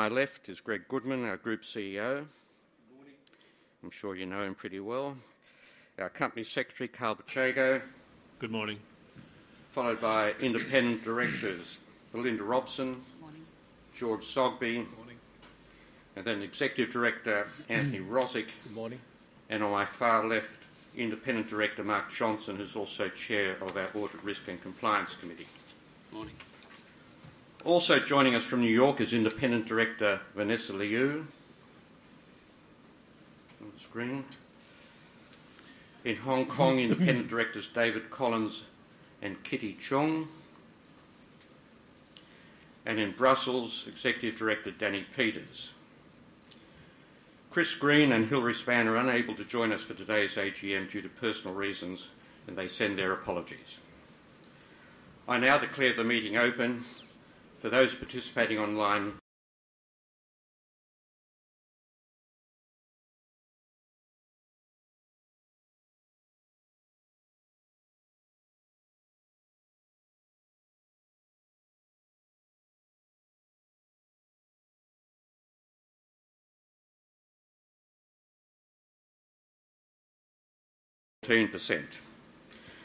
To my left is Greg Goodman, our Group CEO. Good morning. I'm sure you know him pretty well. Our Company Secretary, Carl Bicego. Good morning. Followed by Independent Directors, Belinda Robson. Good morning. George Zoghbi. Good morning. And then Executive Director, Anthony Rozic. Good morning. On my far left, Independent Director Mark Johnson, who's also Chair of our Audit Risk and Compliance Committee. Good morning. Also joining us from New York is Independent Director, Vanessa Liu. That's on screen. In Hong Kong, Independent Directors, David Collins and Kitty Chung. And in Brussels, Executive Director, Danny Peeters. Chris Green and Hilary Spann are unable to join us for today's AGM due to personal reasons, and they send their apologies. I now declare the meeting open. For those participating online. 14%.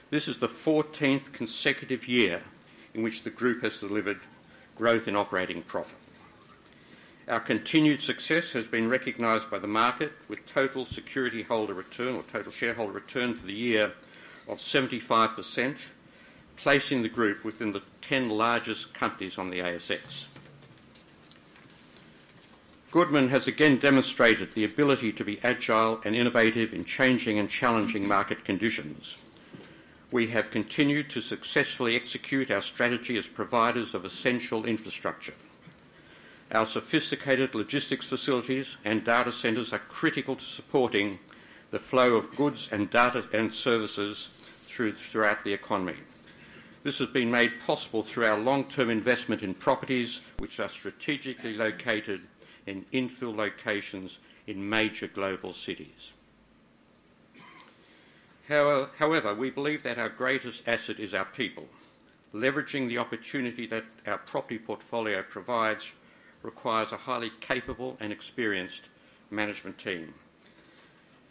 This is the 14th consecutive year in which the Group has delivered growth in operating profit. Our continued success has been recognized by the market with total security holder return, or total shareholder return, for the year of 75%, placing the Group within the 10 largest companies on the ASX. Goodman has again demonstrated the ability to be agile and innovative in changing and challenging market conditions. We have continued to successfully execute our strategy as providers of essential infrastructure. Our sophisticated logistics facilities and data centers are critical to supporting the flow of goods and services throughout the economy. This has been made possible through our long-term investment in properties, which are strategically located in infill locations in major global cities. However, we believe that our greatest asset is our people. Leveraging the opportunity that our property portfolio provides requires a highly capable and experienced management team.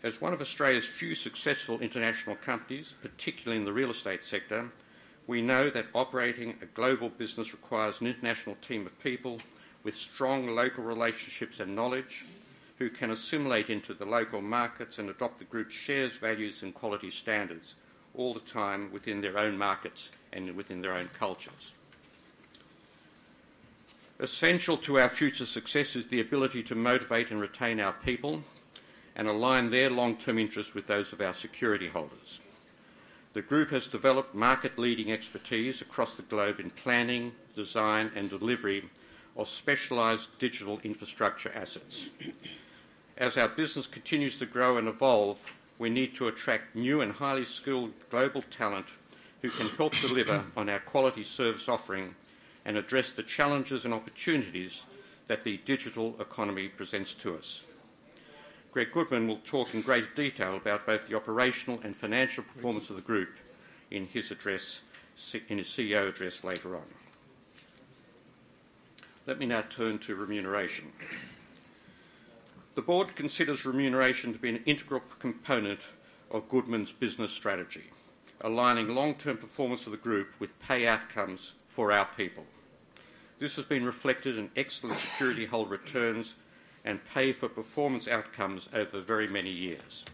As one of Australia's few successful international companies, particularly in the real estate sector, we know that operating a global business requires an international team of people with strong local relationships and knowledge, who can assimilate into the local markets and adopt the Group's shared values, and quality standards all the time within their own markets and within their own cultures. Essential to our future success is the ability to motivate and retain our people and align their long-term interests with those of our security holders. The Group has developed market-leading expertise across the globe in planning, design, and delivery of specialized digital infrastructure assets. As our business continues to grow and evolve, we need to attract new and highly skilled global talent who can help deliver on our quality service offering and address the challenges and opportunities that the digital economy presents to us. Greg Goodman will talk in great detail about both the operational and financial performance of the Group in his CEO address later on. Let me now turn to remuneration. The Board considers remuneration to be an integral component of Goodman's business strategy, aligning long-term performance of the Group with pay outcomes for our people. This has been reflected in excellent security holder returns and pay-for-performance outcomes over very many years.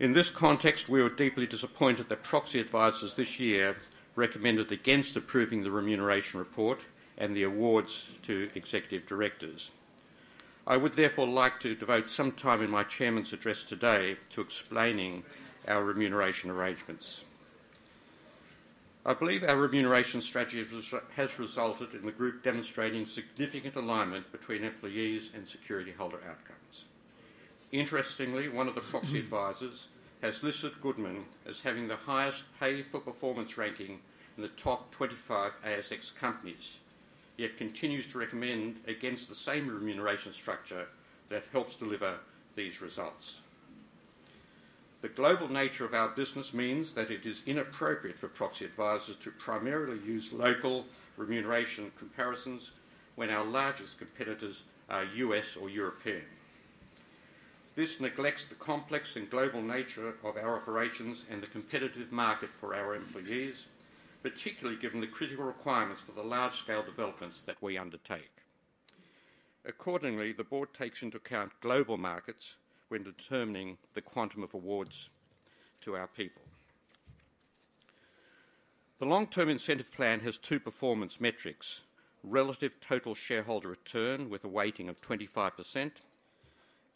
In this context, we were deeply disappointed that proxy advisors this year recommended against approving the Remuneration Report and the awards to Executive Directors. I would therefore like to devote some time in my Chairman's address today to explaining our remuneration arrangements. I believe our remuneration strategy has resulted in the Group demonstrating significant alignment between employees and security holder outcomes. Interestingly, one of the proxy advisors has listed Goodman as having the highest pay-for-performance ranking in the top 25 ASX companies, yet continues to recommend against the same remuneration structure that helps deliver these results. The global nature of our business means that it is inappropriate for proxy advisors to primarily use local remuneration comparisons when our largest competitors are U.S. or European. This neglects the complex and global nature of our operations and the competitive market for our employees, particularly given the critical requirements for the large-scale developments that we undertake. Accordingly, the Board takes into account global markets when determining the quantum of awards to our people. The long-term incentive plan has two performance metrics: relative total shareholder return with a weighting of 25%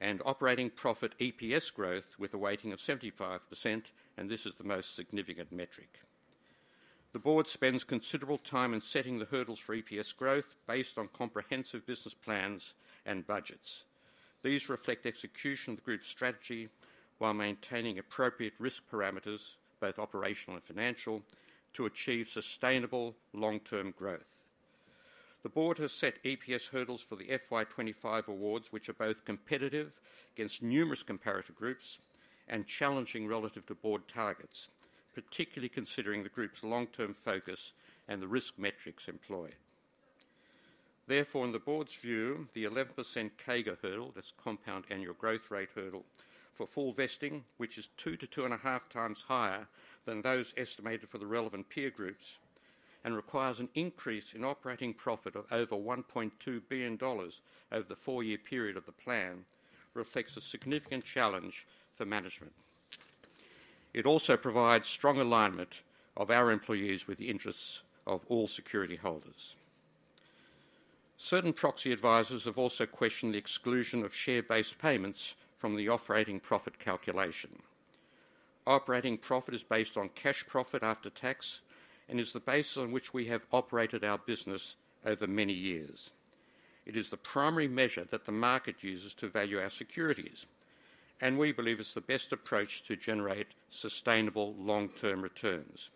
and operating profit (EPS) growth with a weighting of 75%, and this is the most significant metric. The Board spends considerable time in setting the hurdles for EPS growth based on comprehensive business plans and budgets. These reflect execution of the Group's strategy while maintaining appropriate risk parameters, both operational and financial, to achieve sustainable long-term growth. The Board has set EPS hurdles for the FY 2025 awards, which are both competitive against numerous comparator groups and challenging relative to Board targets, particularly considering the Group's long-term focus and the risk metrics employed. Therefore, in the Board's view, the 11% CAGR hurdle, that's compound annual growth rate hurdle, for full vesting, which is two to two and a half times higher than those estimated for the relevant peer groups and requires an increase in operating profit of over 1.2 billion dollars over the four-year period of the plan, reflects a significant challenge for management. It also provides strong alignment of our employees with the interests of all security holders. Certain proxy advisors have also questioned the exclusion of share-based payments from the operating profit calculation. Operating profit is based on cash profit after tax and is the basis on which we have operated our business over many years. It is the primary measure that the market uses to value our securities, and we believe it's the best approach to generate sustainable long-term returns.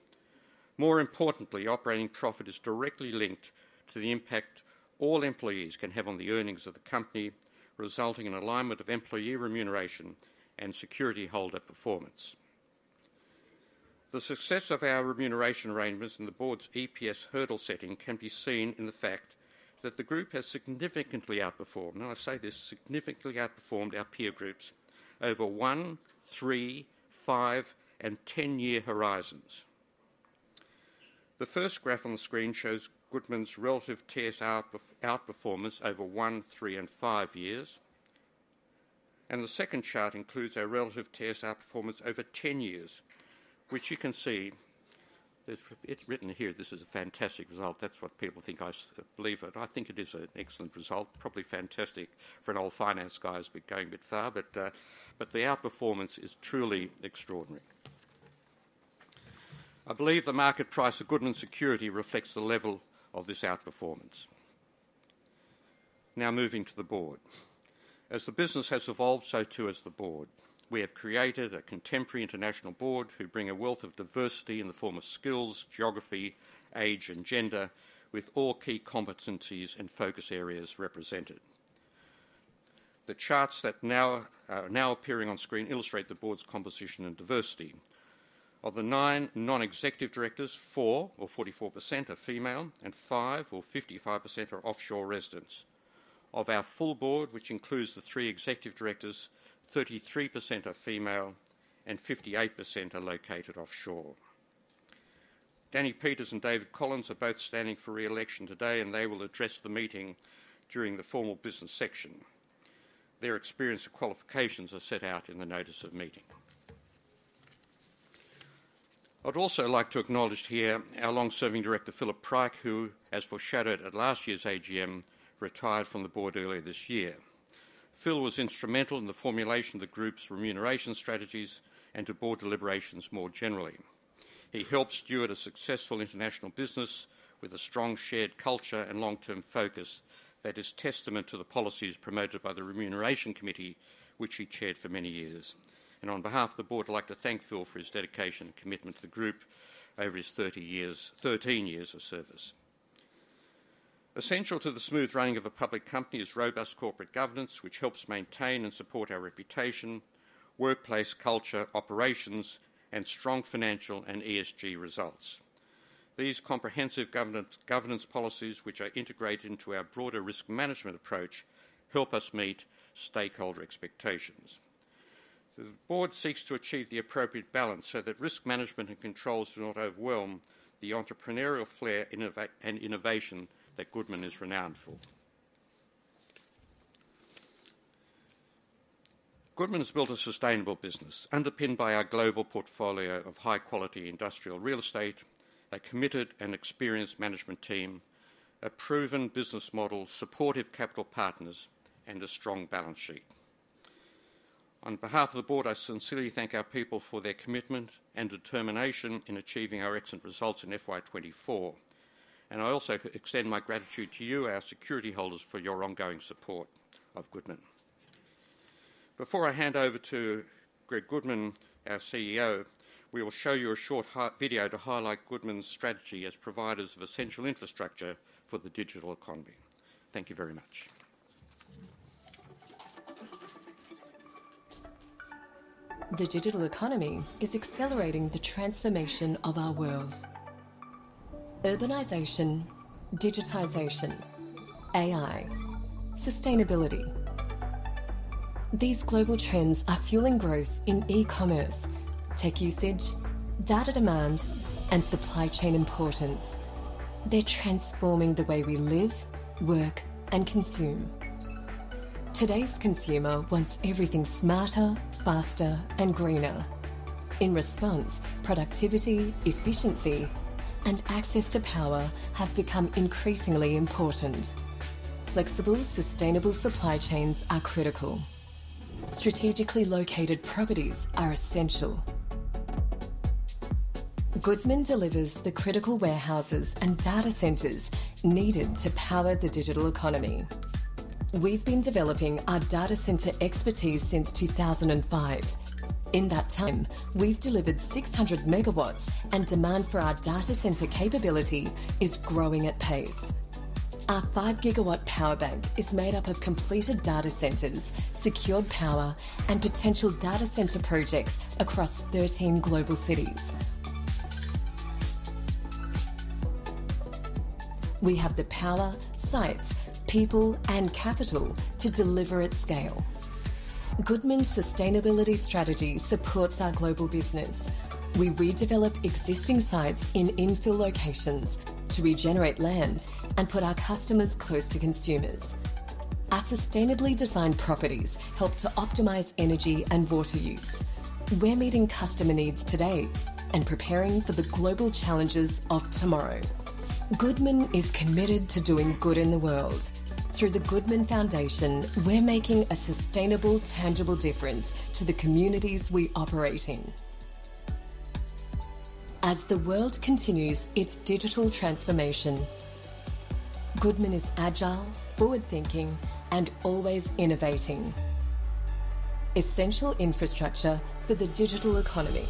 More importantly, operating profit is directly linked to the impact all employees can have on the earnings of the company, resulting in alignment of employee remuneration and security holder performance. The success of our remuneration arrangements and the Board's EPS hurdle setting can be seen in the fact that the Group has significantly outperformed, and I say this, significantly outperformed our peer groups over one, three, five, and ten-year horizons. The first graph on the screen shows Goodman's relative TSR outperformance over one, three, and five years, and the second chart includes our relative TSR performance over ten years, which you can see, it's written here, this is a fantastic result. That's what people think I believe, but I think it is an excellent result, probably fantastic for an old finance guy who's been going a bit far, but the outperformance is truly extraordinary. I believe the market price of Goodman securities reflects the level of this outperformance. Now moving to the Board. As the business has evolved, so too has the Board. We have created a contemporary international board who bring a wealth of diversity in the form of skills, geography, age, and gender, with all key competencies and focus areas represented. The charts that are now appearing on screen illustrate the Board's composition and diversity. Of the nine non-executive directors, four, or 44%, are female, and five, or 55%, are offshore residents. Of our full Board, which includes the three Executive Directors, 33% are female, and 58% are located offshore. Danny Peeters and David Collins are both standing for reelection today, and they will address the meeting during the formal business section. Their experience and qualifications are set out in the notice of meeting. I'd also like to acknowledge here our long-serving Director, Phillip Pryke, who, as foreshadowed at last year's AGM, retired from the Board earlier this year. Phil was instrumental in the formulation of the Group's remuneration strategies and to Board deliberations more generally. He helped steward a successful international business with a strong shared culture and long-term focus that is testament to the policies promoted by the Remuneration Committee, which he chaired for many years. On behalf of the Board, I'd like to thank Phil for his dedication and commitment to the Group over his 13 years of service. Essential to the smooth running of a public company is robust corporate governance, which helps maintain and support our reputation, workplace culture, operations, and strong financial and ESG results. These comprehensive governance policies, which are integrated into our broader risk management approach, help us meet stakeholder expectations. The Board seeks to achieve the appropriate balance so that risk management and controls do not overwhelm the entrepreneurial flair and innovation that Goodman is renowned for. Goodman has built a sustainable business underpinned by our global portfolio of high-quality industrial real estate, a committed and experienced management team, a proven business model, supportive capital partners, and a strong balance sheet. On behalf of the Board, I sincerely thank our people for their commitment and determination in achieving our excellent results in FY 2024, and I also extend my gratitude to you, our security holders, for your ongoing support of Goodman. Before I hand over to Greg Goodman, our CEO, we will show you a short video to highlight Goodman's strategy as providers of essential infrastructure for the digital economy. Thank you very much. The digital economy is accelerating the transformation of our world. Urbanization, digitization, AI, sustainability. These global trends are fueling growth in e-commerce, tech usage, data demand, and supply chain importance. They're transforming the way we live, work, and consume. Today's consumer wants everything smarter, faster, and greener. In response, productivity, efficiency, and access to power have become increasingly important. Flexible, sustainable supply chains are critical. Strategically located properties are essential. Goodman delivers the critical warehouses and data centers needed to power the digital economy. We've been developing our data center expertise since 2005. In that time, we've delivered 600 megawatts, and demand for our data center capability is growing at pace. Our five-gigawatt power bank is made up of completed data centers, secured power, and potential data center projects across 13 global cities. We have the power, sites, people, and capital to deliver at scale. Goodman's sustainability strategy supports our global business. We redevelop existing sites in infill locations to regenerate land and put our customers close to consumers. Our sustainably designed properties help to optimize energy and water use. We're meeting customer needs today and preparing for the global challenges of tomorrow. Goodman is committed to doing good in the world. Through the Goodman Foundation, we're making a sustainable, tangible difference to the communities we operate in. As the world continues its digital transformation, Goodman is agile, forward-thinking, and always innovating essential infrastructure for the digital economy.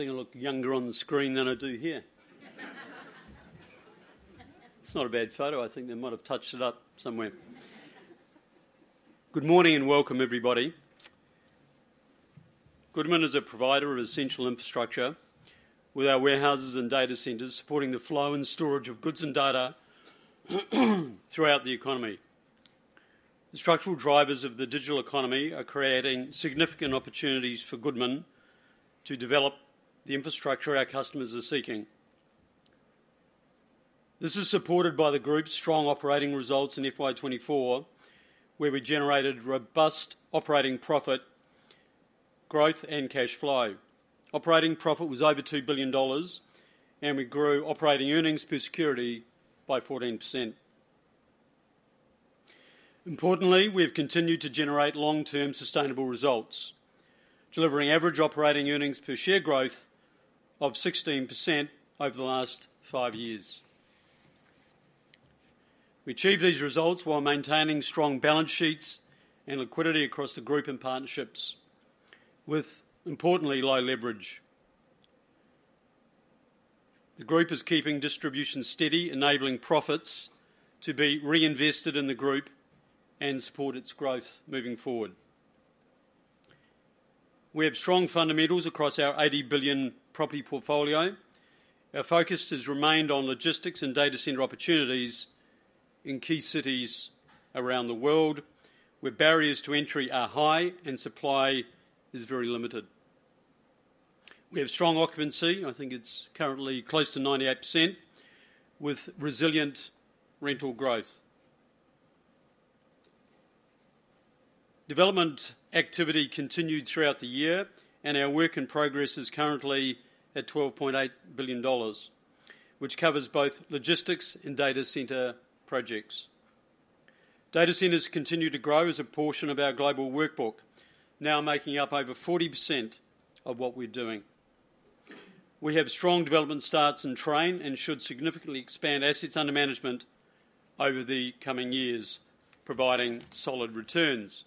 I think I look younger on the screen than I do here. It's not a bad photo. I think they might have touched it up somewhere. Good morning and welcome, everybody. Goodman is a provider of essential infrastructure with our warehouses and data centers supporting the flow and storage of goods and data throughout the economy. The structural drivers of the digital economy are creating significant opportunities for Goodman to develop the infrastructure our customers are seeking. This is supported by the Group's strong operating results in FY 2024, where we generated robust operating profit growth and cash flow. Operating profit was over 2 billion dollars, and we grew operating earnings per security by 14%. Importantly, we have continued to generate long-term sustainable results, delivering average operating earnings per share growth of 16% over the last five years. We achieved these results while maintaining strong balance sheets and liquidity across the Group and partnerships, with importantly low leverage. The Group is keeping distribution steady, enabling profits to be reinvested in the Group and support its growth moving forward. We have strong fundamentals across our 80 billion property portfolio. Our focus has remained on logistics and data center opportunities in key cities around the world, where barriers to entry are high and supply is very limited. We have strong occupancy. I think it's currently close to 98%, with resilient rental growth. Development activity continued throughout the year, and our work in progress is currently at 12.8 billion dollars, which covers both logistics and data center projects. Data centers continue to grow as a portion of our global work in progress, now making up over 40% of what we're doing. We have strong development starts in train and should significantly expand assets under management over the coming years, providing solid returns.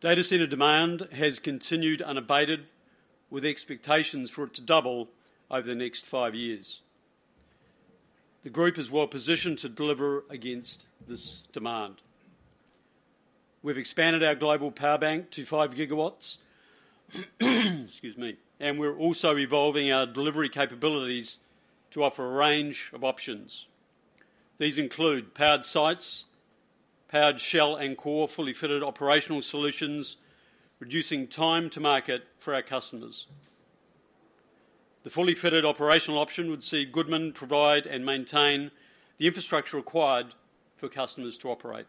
Data center demand has continued unabated, with expectations for it to double over the next five years. The Group is well positioned to deliver against this demand. We've expanded our global power bank to five gigawatts, and we're also evolving our delivery capabilities to offer a range of options. These include powered sites, powered shell and core fully fitted operational solutions, reducing time to market for our customers. The fully fitted operational option would see Goodman provide and maintain the infrastructure required for customers to operate.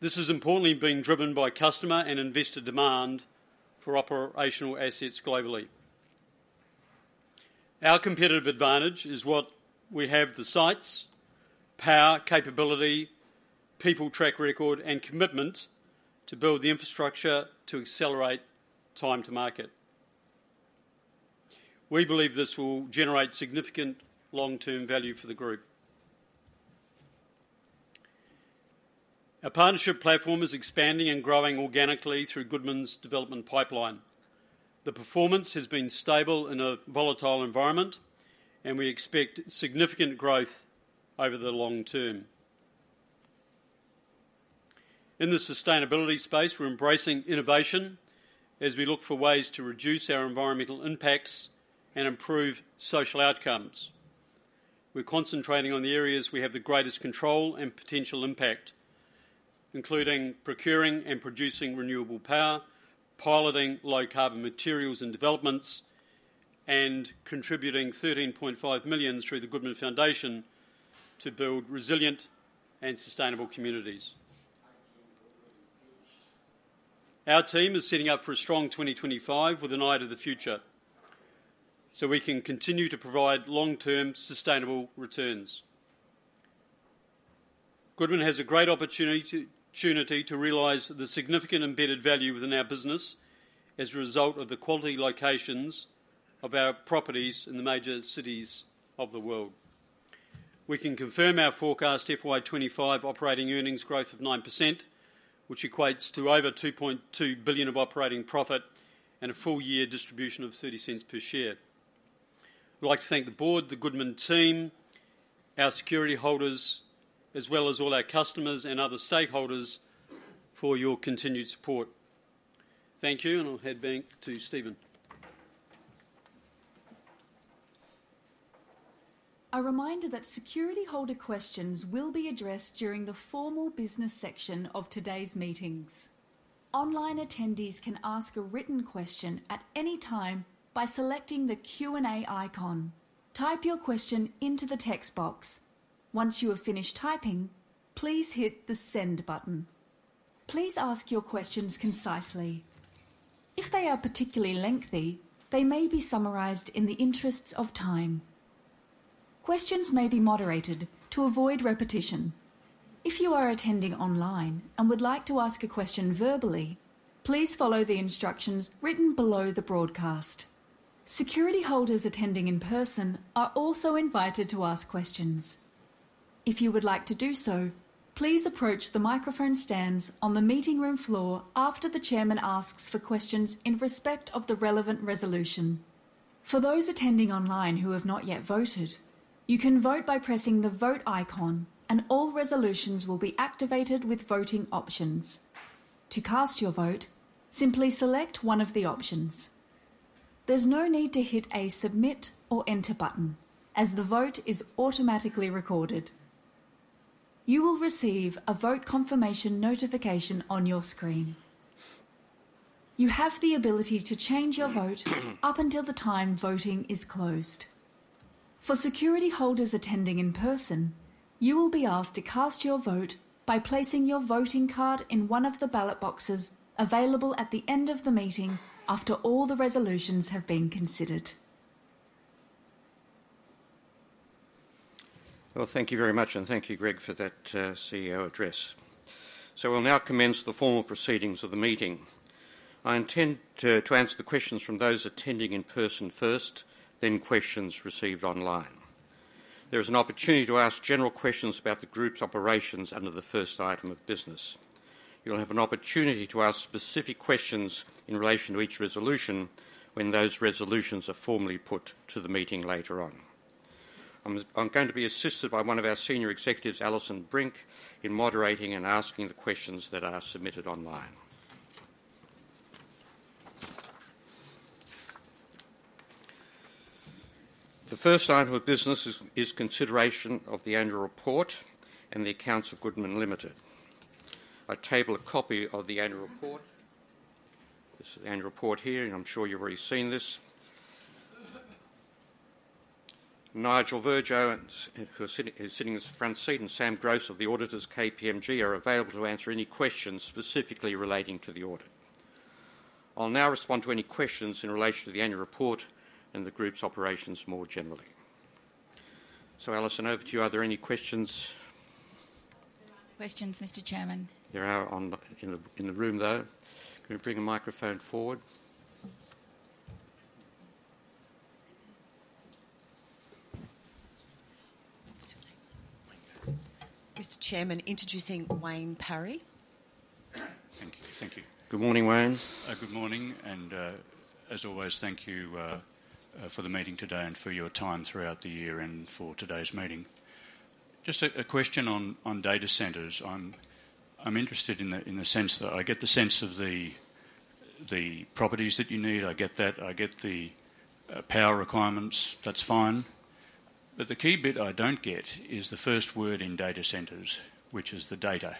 This is importantly being driven by customer and investor demand for operational assets globally. Our competitive advantage is what we have: the sites, power, capability, people, track record, and commitment to build the infrastructure to accelerate time to market. We believe this will generate significant long-term value for the Group. Our partnership platform is expanding and growing organically through Goodman's development pipeline. The performance has been stable in a volatile environment, and we expect significant growth over the long term. In the sustainability space, we're embracing innovation as we look for ways to reduce our environmental impacts and improve social outcomes. We're concentrating on the areas we have the greatest control and potential impact, including procuring and producing renewable power, piloting low-carbon materials and developments, and contributing 13.5 million through the Goodman Foundation to build resilient and sustainable communities. Our team is setting up for a strong 2025 with an eye to the future so we can continue to provide long-term sustainable returns. Goodman has a great opportunity to realize the significant embedded value within our business as a result of the quality locations of our properties in the major cities of the world. We can confirm our forecast FY 2025 operating earnings growth of 9%, which equates to over 2.2 billion of operating profit and a full-year distribution of 0.30 per share. I'd like to thank the Board, the Goodman team, our security holders, as well as all our customers and other stakeholders for your continued support. Thank you, and I'll hand back to Stephen. A reminder that security holder questions will be addressed during the formal business section of today's meetings. Online attendees can ask a written question at any time by selecting the Q&A icon. Type your question into the text box. Once you have finished typing, please hit the Send button. Please ask your questions concisely. If they are particularly lengthy, they may be summarized in the interests of time. Questions may be moderated to avoid repetition. If you are attending online and would like to ask a question verbally, please follow the instructions written below the broadcast. Security holders attending in person are also invited to ask questions. If you would like to do so, please approach the microphone stands on the meeting room floor after the Chairman asks for questions in respect of the relevant resolution. For those attending online who have not yet voted, you can vote by pressing the Vote icon, and all resolutions will be activated with voting options. To cast your vote, simply select one of the options. There's no need to hit a Submit or Enter button, as the vote is automatically recorded. You will receive a vote confirmation notification on your screen. You have the ability to change your vote up until the time voting is closed. For security holders attending in person, you will be asked to cast your vote by placing your voting card in one of the ballot boxes available at the end of the meeting after all the resolutions have been considered. Well, thank you very much, and thank you, Greg, for that CEO address. So we'll now commence the formal proceedings of the meeting. I intend to answer the questions from those attending in person first, then questions received online. There is an opportunity to ask general questions about the Group's operations under the first item of business. You'll have an opportunity to ask specific questions in relation to each resolution when those resolutions are formally put to the meeting later on. I'm going to be assisted by one of our senior executives, Alison Brink, in moderating and asking the questions that are submitted online. The first item of business is consideration of the annual report and the accounts of Goodman Limited. I table a copy of the annual report. This is the annual report here, and I'm sure you've already seen this. Nigel Virgo, who is sitting in the front seat, and Sam Gross of the auditors, KPMG, are available to answer any questions specifically relating to the audit. I'll now respond to any questions in relation to the annual report and the Group's operations more generally. So, Alison, over to you. Are there any questions? Questions, Mr. Chairman? There are in the room, though. Can we bring a microphone forward? Mr. Chairman, introducing Wayne Parry. Thank you. Thank you. Good morning, Wayne. Good morning, and as always, thank you for the meeting today and for your time throughout the year and for today's meeting. Just a question on data centers. I'm interested in the sense that I get the sense of the properties that you need. I get the power requirements. That's fine. But the key bit I don't get is the first word in data centers, which is the data.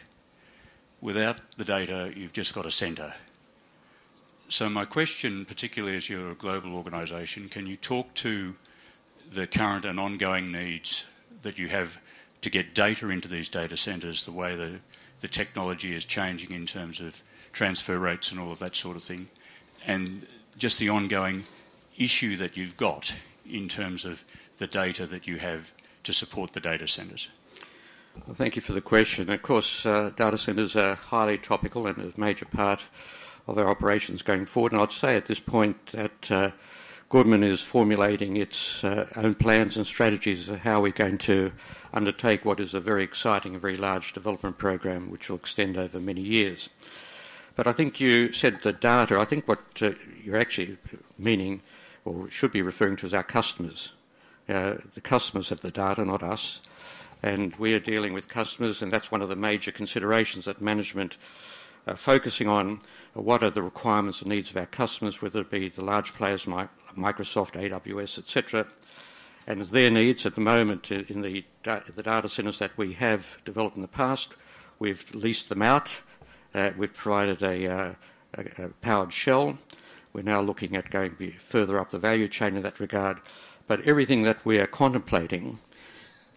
Without the data, you've just got a center. So my question, particularly as you're a global organization, can you talk to the current and ongoing needs that you have to get data into these data centers the way the technology is changing in terms of transfer rates and all of that sort of thing, and just the ongoing issue that you've got in terms of the data that you have to support the data centers? Thank you for the question. Of course, data centers are highly topical and a major part of our operations going forward. And I'd say at this point that Goodman is formulating its own plans and strategies of how we're going to undertake what is a very exciting, very large development program, which will extend over many years. But I think you said the data. I think what you're actually meaning or should be referring to is our customers. The customers have the data, not us. And we are dealing with customers, and that's one of the major considerations that management are focusing on: what are the requirements and needs of our customers, whether it be the large players like Microsoft, AWS, etc., and their needs at the moment in the data centers that we have developed in the past. We've leased them out. We've provided a powered shell. We're now looking at going further up the value chain in that regard. But everything that we are contemplating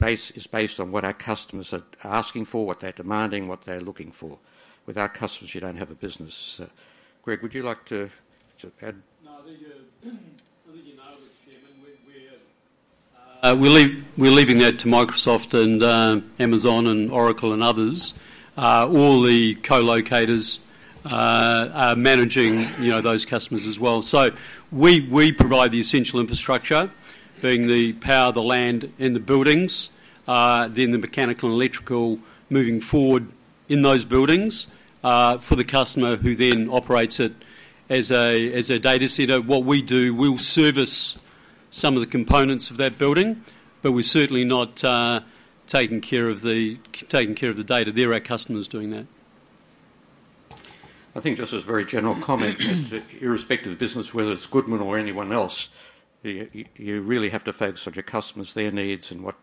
is based on what our customers are asking for, what they're demanding, what they're looking for. Without customers, you don't have a business. Greg, would you like to add? No, I think you nailed it, Chairman. We're leaving that to Microsoft and Amazon and Oracle and others. All the co-locators are managing those customers as well. So we provide the essential infrastructure, being the power, the land, and the buildings, then the mechanical and electrical moving forward in those buildings for the customer who then operates it as a data center. What we do, we'll service some of the components of that building, but we're certainly not taking care of the data there. Our customer's doing that. I think just as a very general comment, irrespective of business, whether it's Goodman or anyone else, you really have to focus on your customers, their needs, and what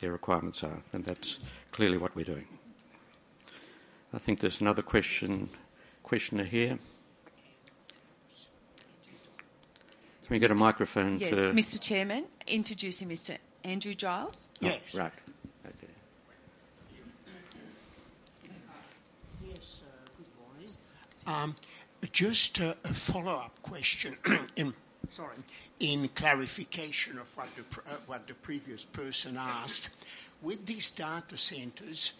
their requirements are. And that's clearly what we're doing. I think there's another question here. Can we get a microphone to? Yes, Mr. Chairman. Introducing Mr. Andrew Giles. Yes. Right. Okay. Yes, good morning. Just a follow-up question in clarification of what the previous person asked. With these data centers,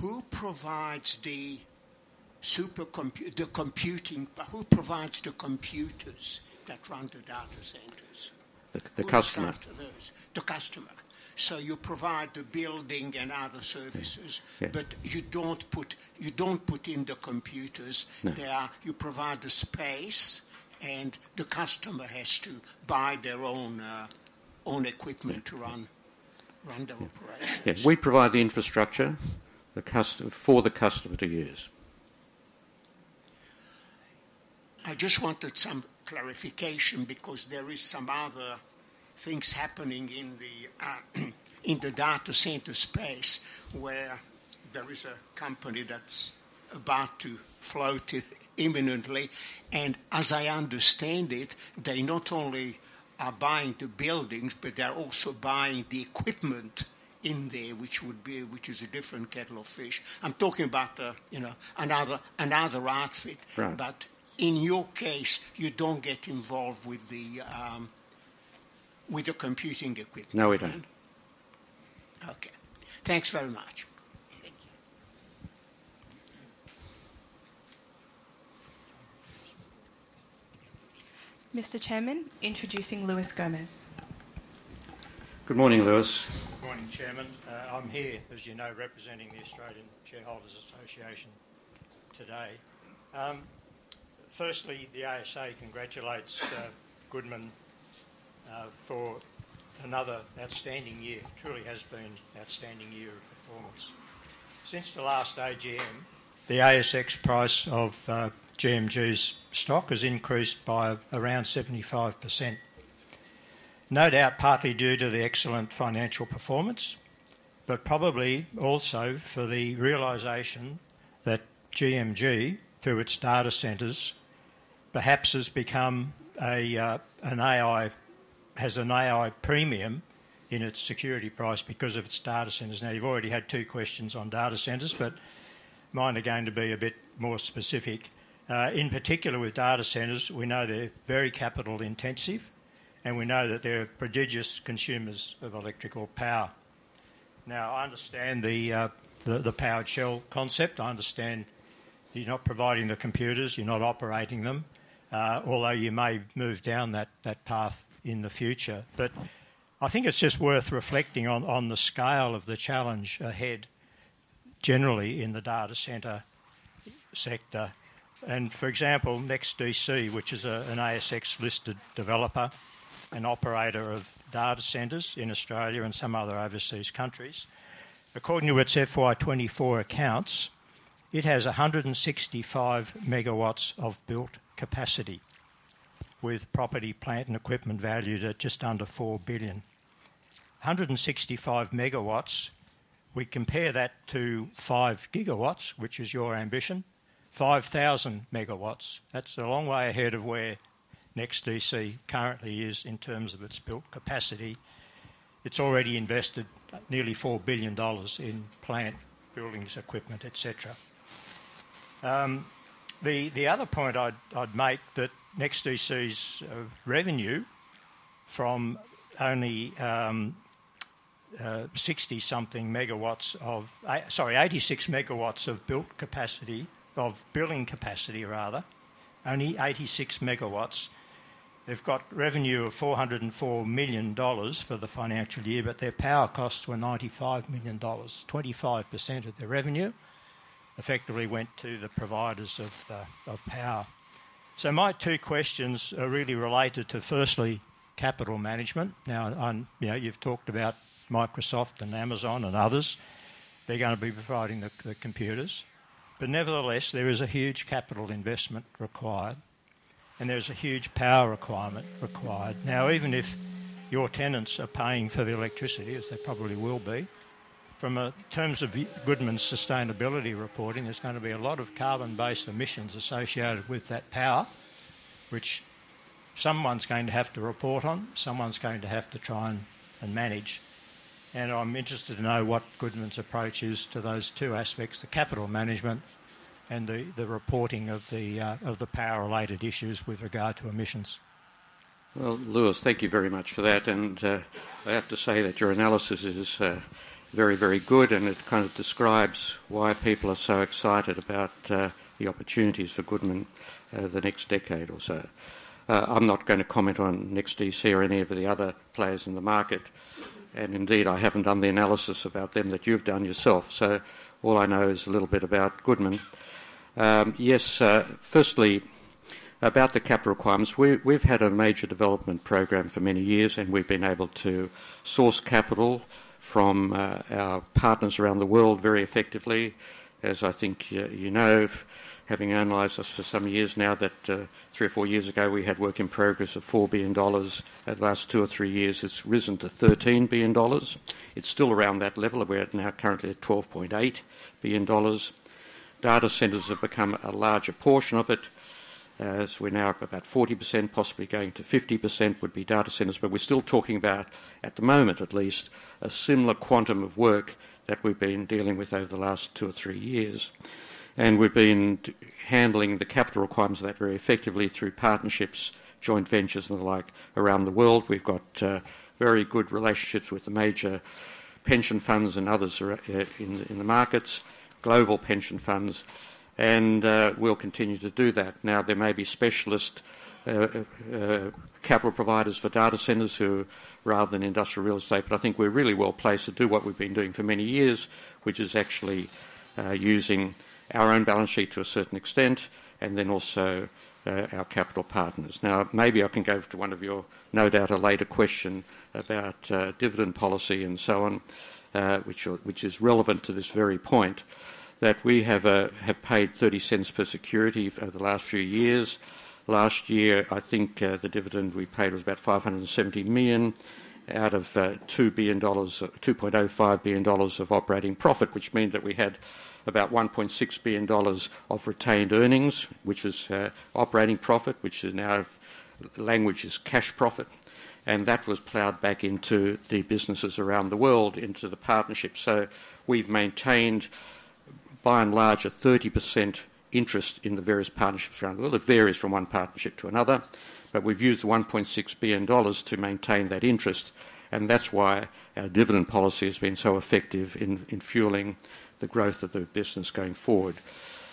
who provides the computing? Who provides the computers that run the data centers? The customer. The customer. So you provide the building and other services, but you don't put in the computers. You provide the space, and the customer has to buy their own equipment to run the operations. Yes. We provide the infrastructure for the customer to use. I just wanted some clarification because there are some other things happening in the data center space where there is a company that's about to float imminently. And as I understand it, they not only are buying the buildings, but they're also buying the equipment in there, which is a different kettle of fish. I'm talking about another outfit. But in your case, you don't get involved with the computing equipment? No, we don't. Okay. Thanks very much. Thank you. Mr. Chairman, introducing Lewis Gomes. Good morning, Lewis. Good morning, Chairman. I'm here, as you know, representing the Australian Shareholders' Association today. Firstly, the ASA congratulates Goodman for another outstanding year. It truly has been an outstanding year of performance. Since the last AGM, the ASX price of GMG's stock has increased by around 75%. No doubt, partly due to the excellent financial performance, but probably also for the realization that GMG, through its data centers, perhaps has become an AI premium in its security price because of its data centers. Now, you've already had two questions on data centers, but mine are going to be a bit more specific. In particular, with data centers, we know they're very capital-intensive, and we know that they're prodigious consumers of electrical power. Now, I understand the powered shell concept. I understand you're not providing the computers. You're not operating them, although you may move down that path in the future. But I think it's just worth reflecting on the scale of the challenge ahead generally in the data center sector. For example, NextDC, which is an ASX-listed developer and operator of data centers in Australia and some other overseas countries, according to its FY 2024 accounts, it has 165 megawatts of built capacity with property, plant, and equipment valued at just under 4 billion. 165 megawatts, we compare that to 5 gigawatts, which is your ambition, 5,000 megawatts. That's a long way ahead of where NextDC currently is in terms of its built capacity. It's already invested nearly 4 billion dollars in plant, buildings, equipment, etc. The other point I'd make that NextDC's revenue from only 60-something megawatts of, sorry, 86 megawatts of built capacity, of building capacity, rather, only 86 megawatts. They've got revenue of 404 million dollars for the financial year, but their power costs were 95 million dollars. 25% of their revenue effectively went to the providers of power. So my two questions are really related to, firstly, capital management. Now, you've talked about Microsoft and Amazon and others. They're going to be providing the computers. But nevertheless, there is a huge capital investment required, and there is a huge power requirement required. Now, even if your tenants are paying for the electricity, as they probably will be, from terms of Goodman's sustainability reporting, there's going to be a lot of carbon-based emissions associated with that power, which someone's going to have to report on. Someone's going to have to try and manage. And I'm interested to know what Goodman's approach is to those two aspects, the capital management and the reporting of the power-related issues with regard to emissions. Lewis, thank you very much for that. I have to say that your analysis is very, very good, and it kind of describes why people are so excited about the opportunities for Goodman the next decade or so. I'm not going to comment on NextDC or any of the other players in the market. Indeed, I haven't done the analysis about them that you've done yourself. All I know is a little bit about Goodman. Yes, firstly, about the capital requirements. We've had a major development program for many years, and we've been able to source capital from our partners around the world very effectively. As I think you know, having analyzed us for some years now, that three or four years ago, we had work in progress of 4 billion dollars. Over the last two or three years, it's risen to 13 billion dollars. It's still around that level. We're now currently at 12.8 billion dollars. Data centers have become a larger portion of it. So we're now up about 40%, possibly going to 50% would be data centers. But we're still talking about, at the moment at least, a similar quantum of work that we've been dealing with over the last two or three years. And we've been handling the capital requirements of that very effectively through partnerships, joint ventures, and the like around the world. We've got very good relationships with the major pension funds and others in the markets, global pension funds. And we'll continue to do that. Now, there may be specialist capital providers for data centers who rather than industrial real estate. I think we're really well placed to do what we've been doing for many years, which is actually using our own balance sheet to a certain extent and then also our capital partners. Now, maybe I can go to one of your, no doubt, a later question about dividend policy and so on, which is relevant to this very point, that we have paid 0.30 per security over the last few years. Last year, I think the dividend we paid was about 570 million out of 2.05 billion dollars of operating profit, which meant that we had about 1.6 billion dollars of retained earnings, which is operating profit, which now language is cash profit. And that was plowed back into the businesses around the world, into the partnership. So we've maintained, by and large, a 30% interest in the various partnerships around the world. It varies from one partnership to another. But we've used the 1.6 billion dollars to maintain that interest. And that's why our dividend policy has been so effective in fueling the growth of the business going forward.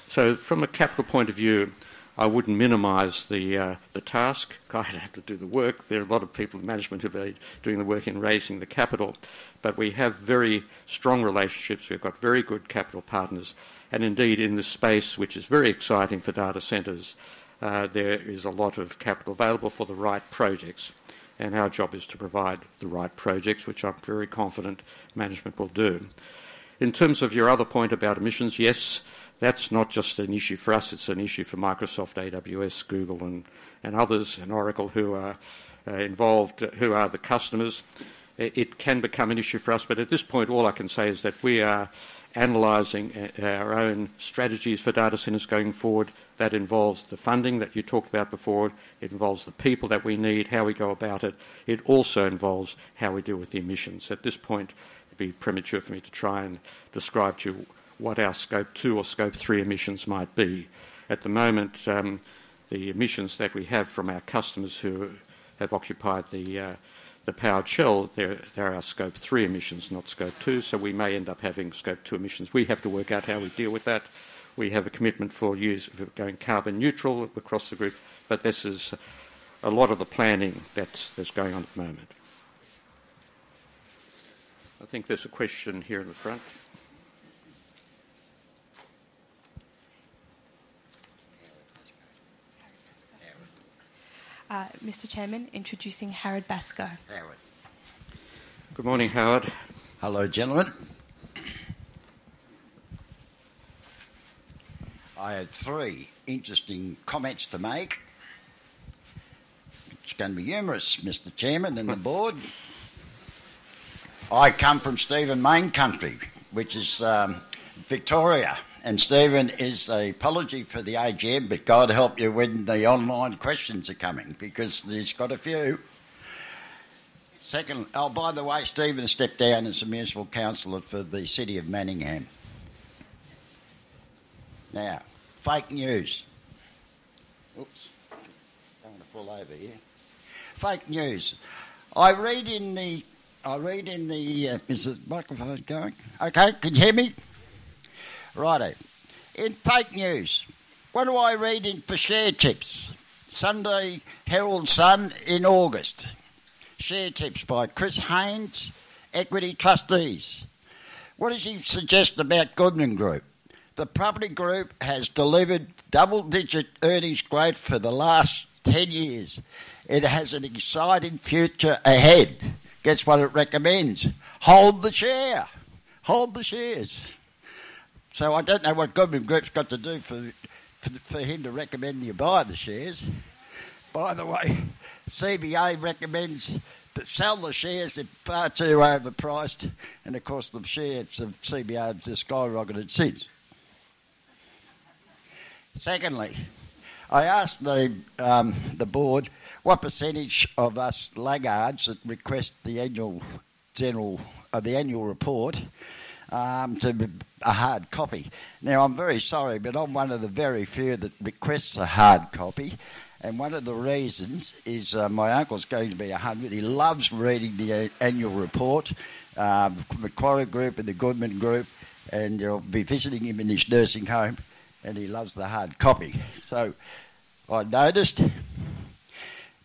So from a capital point of view, I wouldn't minimize the task. I'd have to do the work. There are a lot of people in management who are doing the work in raising the capital. But we have very strong relationships. We've got very good capital partners. And indeed, in the space, which is very exciting for data centers, there is a lot of capital available for the right projects. And our job is to provide the right projects, which I'm very confident management will do. In terms of your other point about emissions, yes, that's not just an issue for us. It's an issue for Microsoft, AWS, Google, and others, and Oracle who are involved, who are the customers. It can become an issue for us. But at this point, all I can say is that we are analyzing our own strategies for data centers going forward. That involves the funding that you talked about before. It involves the people that we need, how we go about it. It also involves how we deal with the emissions. At this point, it'd be premature for me to try and describe to you what our Scope 2 or Scope 3 emissions might be. At the moment, the emissions that we have from our customers who have occupied the powered shell, they're our Scope 3 emissions, not Scope 2. So we may end up having Scope 2 emissions. We have to work out how we deal with that. We have a commitment for going carbon neutral across the group. But this is a lot of the planning that's going on at the moment. I think there's a question here in the front. Mr. Chairman, introducing Howard Baster. Good morning, Howard. Hello, gentlemen. I had three interesting comments to make. It's going to be humorous, Mr. Chairman and the board. I come from Stephen Mayne country, which is Victoria. And Stephen is an apology for the AGM, but God help you when the online questions are coming because he's got a few. Oh, by the way, Stephen has stepped down as a municipal councilor for the city of Manningham. Now, fake news. Oops. I don't want to fall over here. Fake news. I read in the—Is the microphone going? Okay. Can you hear me? Righty. In fake news, what do I read in for share tips? Sunday Herald Sun in August. Share tips by Chris Haynes, Equity Trustees. What does he suggest about Goodman Group? The property group has delivered double-digit earnings growth for the last 10 years. It has an exciting future ahead. Guess what it recommends? Hold the share. Hold the shares. So I don't know what Goodman Group's got to do for him to recommend you buy the shares. By the way, CBA recommends that sell the shares. They're far too overpriced. And of course, the shares of CBA have just skyrocketed since. Secondly, I asked the board what percentage of us laggards that request the annual report to be a hard copy. Now, I'm very sorry, but I'm one of the very few that requests a hard copy. And one of the reasons is my uncle's going to be 100. He loves reading the annual report from the Macquarie Group and the Goodman Group. And you'll be visiting him in his nursing home. And he loves the hard copy. So I noticed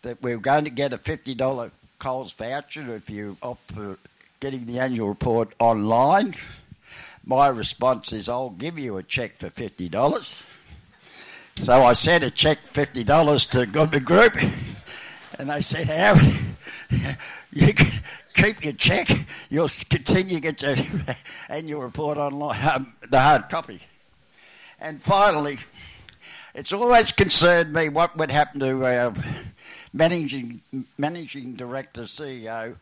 that we're going to get a 50 dollar Coles voucher if you opt for getting the annual report online. My response is, "I'll give you a check for 50 dollars." So I sent a check for 50 dollars to Goodman Group. And they said, "Harry, you can keep your check. You'll continue to get your annual report online, the hard copy." And finally, it's always concerned me what would happen to Managing Director, CEO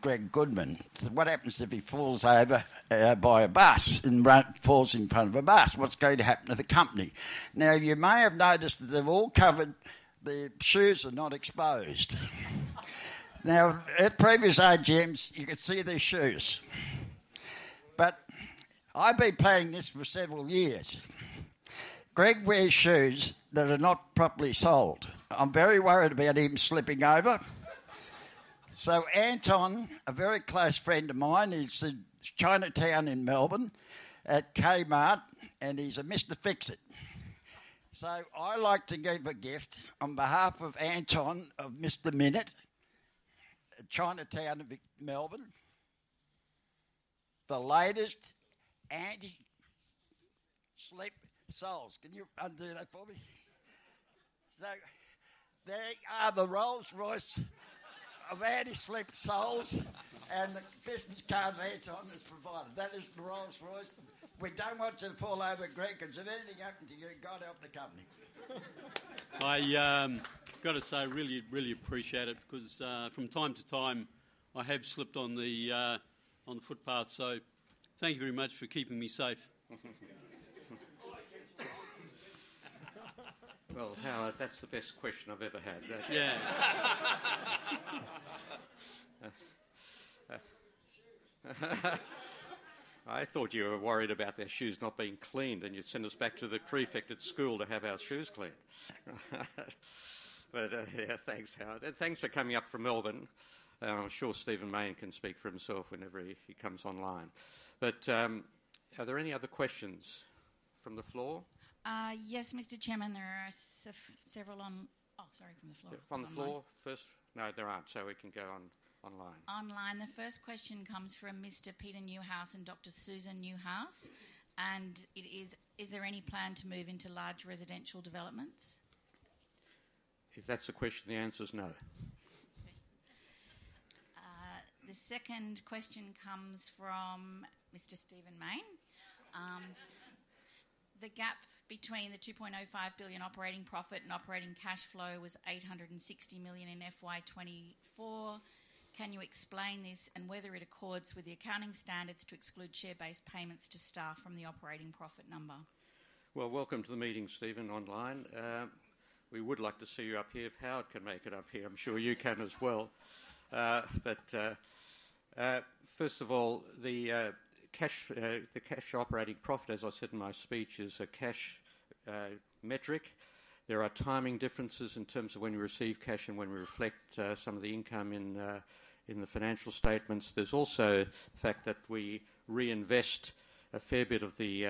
Greg Goodman. What happens if he falls over by a bus and falls in front of a bus? What's going to happen to the company? Now, you may have noticed that they've all covered the shoes are not exposed. Now, at previous AGMs, you could see their shoes. But I've been playing this for several years. Greg wears shoes that are not properly soled. I'm very worried about him slipping over. So Anton, a very close friend of mine, is in Chinatown in Melbourne at Kmart, and he's a Mr. Fix-It. So, I like to give a gift on behalf of Anton of Mister Minit, Chinatown, Melbourne, the latest anti-slip soles. Can you undo that for me? So there are the Rolls-Royce of anti-slip soles. And the business card that Anton has provided, that is the Rolls-Royce. We don't want you to fall over, Greg, because if anything happened to you, God help the company. I've got to say, really, really appreciate it because from time to time, I have slipped on the footpath. So thank you very much for keeping me safe. Howard, that's the best question I've ever had. Yeah. I thought you were worried about their shoes not being cleaned, and you'd send us back to the prefect at school to have our shoes cleaned. But yeah, thanks, Howard. And thanks for coming up from Melbourne. I'm sure Stephen Mayne can speak for himself whenever he comes online. But are there any other questions from the floor? Yes, Mr. Chairman, there are several, oh, sorry, from the floor. From the floor, first? No, there aren't. So we can go online. Online. The first question comes from Mr. Peter Newhouse and Dr. Susan Newhouse. It is, Is there any plan to move into large residential developments? If that's the question, the answer is no. Okay. The second question comes from Mr. Stephen Mayne. The gap between the 2.05 billion operating profit and operating cash flow was 860 million in FY 2024. Can you explain this and whether it accords with the accounting standards to exclude share-based payments to staff from the operating profit number? Welcome to the meeting, Stephen, online. We would like to see you up here. Howard can make it up here. I'm sure you can as well. But first of all, the cash operating profit, as I said in my speech, is a cash metric. There are timing differences in terms of when we receive cash and when we reflect some of the income in the financial statements. There's also the fact that we reinvest a fair bit of the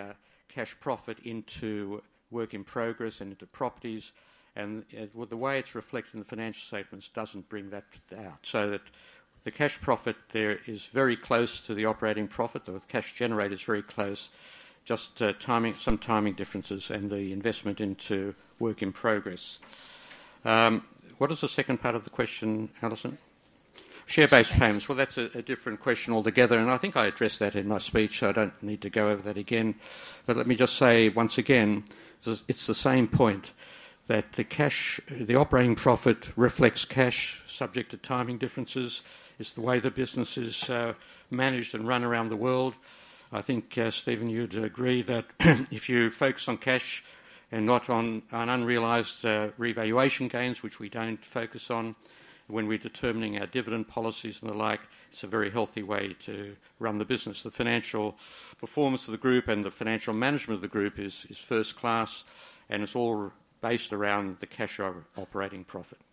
cash profit into work in progress and into properties. And the way it's reflected in the financial statements doesn't bring that out. So the cash profit there is very close to the operating profit. The cash generator is very close. Just some timing differences and the investment into work in progress. What is the second part of the question, Alison? Share-based payments. That's a different question altogether. I think I addressed that in my speech. I don't need to go over that again. But let me just say once again, it's the same point that the operating profit reflects cash, subject to timing differences. It's the way the business is managed and run around the world. I think, Stephen, you'd agree that if you focus on cash and not on unrealized revaluation gains, which we don't focus on when we're determining our dividend policies and the like, it's a very healthy way to run the business. The financial performance of the group and the financial management of the group is first class. It's all based around the cash operating profit. Thank you.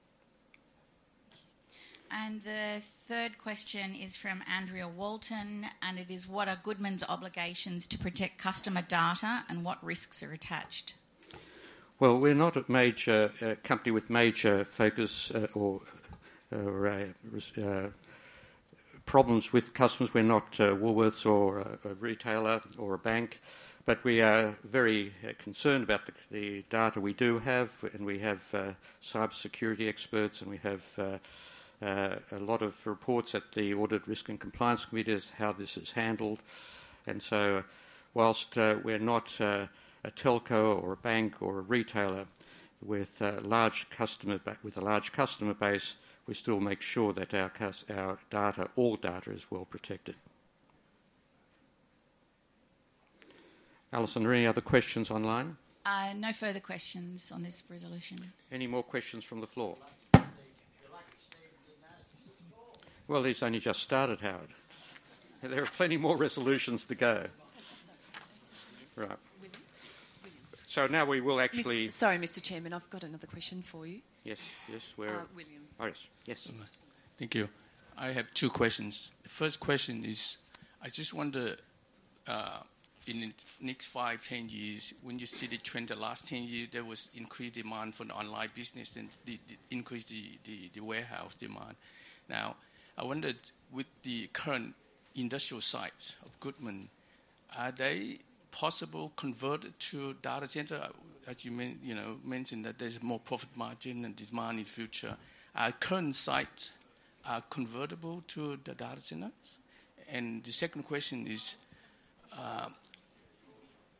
And the third question is from Andrea Walton. And it is, what are Goodman's obligations to protect customer data and what risks are attached? We're not a company with major focus or problems with customers. We're not Woolworths or a retailer or a bank. But we are very concerned about the data we do have. And we have cybersecurity experts. And we have a lot of reports at the Audit Risk and Compliance Committees how this is handled. And so while we're not a telco or a bank or a retailer with a large customer base, we still make sure that our data, all data, is well protected. Alison, are there any other questions online? No further questions on this resolution. Any more questions from the floor? He's only just started, Howard. There are plenty more resolutions to go. Right. Now we will actually. Sorry, Mr. Chairman. I've got another question for you. Yes. Yes. Where? William. Oh, yes. Yes. Thank you. I have two questions. The first question is, I just wonder, in the next five, 10 years, when you see the trend the last 10 years, there was increased demand for the online business and increased the warehouse demand. Now, I wondered, with the current industrial sites of Goodman, are they possible converted to data center? As you mentioned, that there's more profit margin and demand in future. Are current sites convertible to the data centers? And the second question is,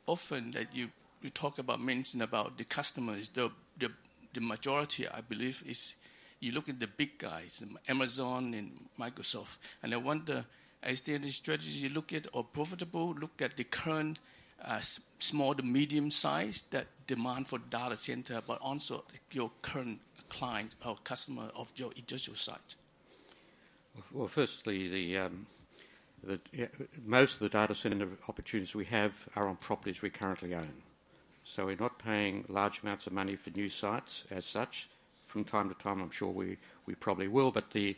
often that you talk about, mention about the customers, the majority, I believe, is you look at the big guys, Amazon and Microsoft. And I wonder, is there any strategy you look at or profitable, look at the current small to medium size that demand for data center, but also your current client or customer of your industrial site? Firstly, most of the data center opportunities we have are on properties we currently own. We're not paying large amounts of money for new sites as such. From time to time, I'm sure we probably will. The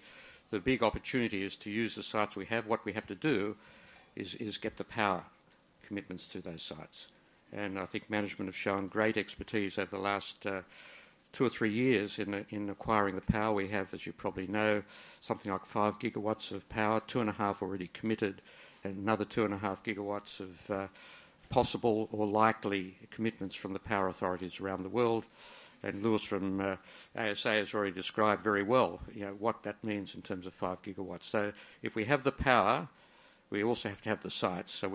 big opportunity is to use the sites we have. What we have to do is get the power commitments to those sites. I think management have shown great expertise over the last two or three years in acquiring the power we have, as you probably know, something like 5 gigawatts of power, 2.5 already committed, and another 2.5 gigawatts of possible or likely commitments from the power authorities around the world. Lewis from ASA has already described very well what that means in terms of 5 gigawatts. If we have the power, we also have to have the sites. If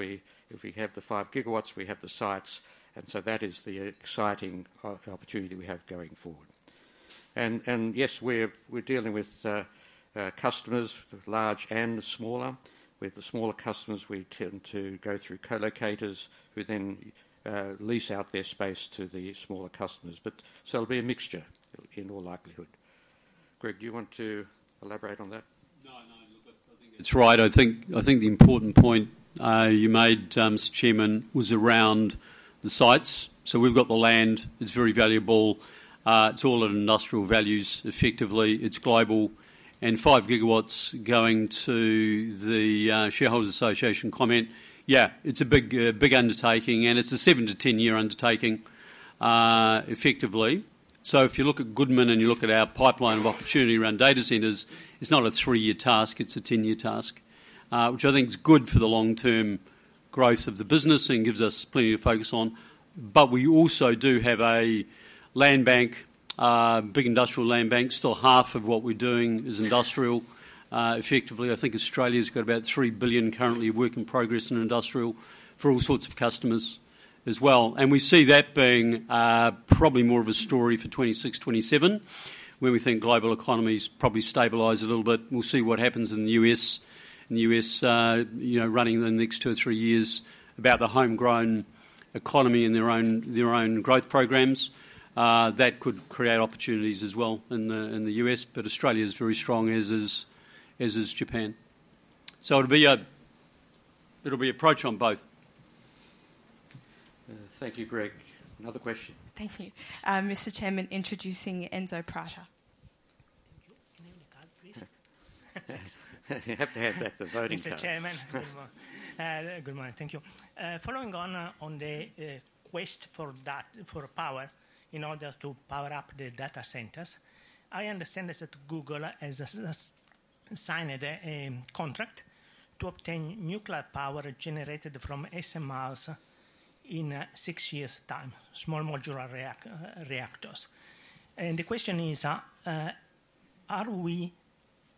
we have the 5 gigawatts, we have the sites. That is the exciting opportunity we have going forward. Yes, we're dealing with customers, large and smaller. With the smaller customers, we tend to go through co-locators who then lease out their space to the smaller customers. But it'll be a mixture in all likelihood. Greg, do you want to elaborate on that? No, no. I think it's. It's right. I think the important point you made, Mr. Chairman, was around the sites. So we've got the land. It's very valuable. It's all industrial values, effectively. It's global. And 5 gigawatts. Going to the Shareholders Association comment, yeah, it's a big undertaking. And it's a 7- to 10-year undertaking, effectively. So if you look at Goodman and you look at our pipeline of opportunity around data centers, it's not a three-year task. It's a 10-year task, which I think is good for the long-term growth of the business and gives us plenty to focus on. But we also do have a land bank, big industrial land bank. Still, half of what we're doing is industrial. Effectively, I think Australia's got about 3 billion currently work in progress in industrial for all sorts of customers as well. We see that being probably more of a story for 2026, 2027, when we think global economies probably stabilize a little bit. We'll see what happens in the U.S., in the U.S. running the next two or three years about the homegrown economy and their own growth programs. That could create opportunities as well in the U.S. But Australia is very strong, as is Japan. So it'll be an approach on both. Thank you, Greg. Another question. Thank you. Mr. Chairman, introducing Enzo Prato. You have to have that, the voting time. Mr. Chairman, good morning. Thank you. Following on the quest for power in order to power up the data centers, I understand that Google has signed a contract to obtain nuclear power generated from SMRs in six years' time, small modular reactors. The question is, are we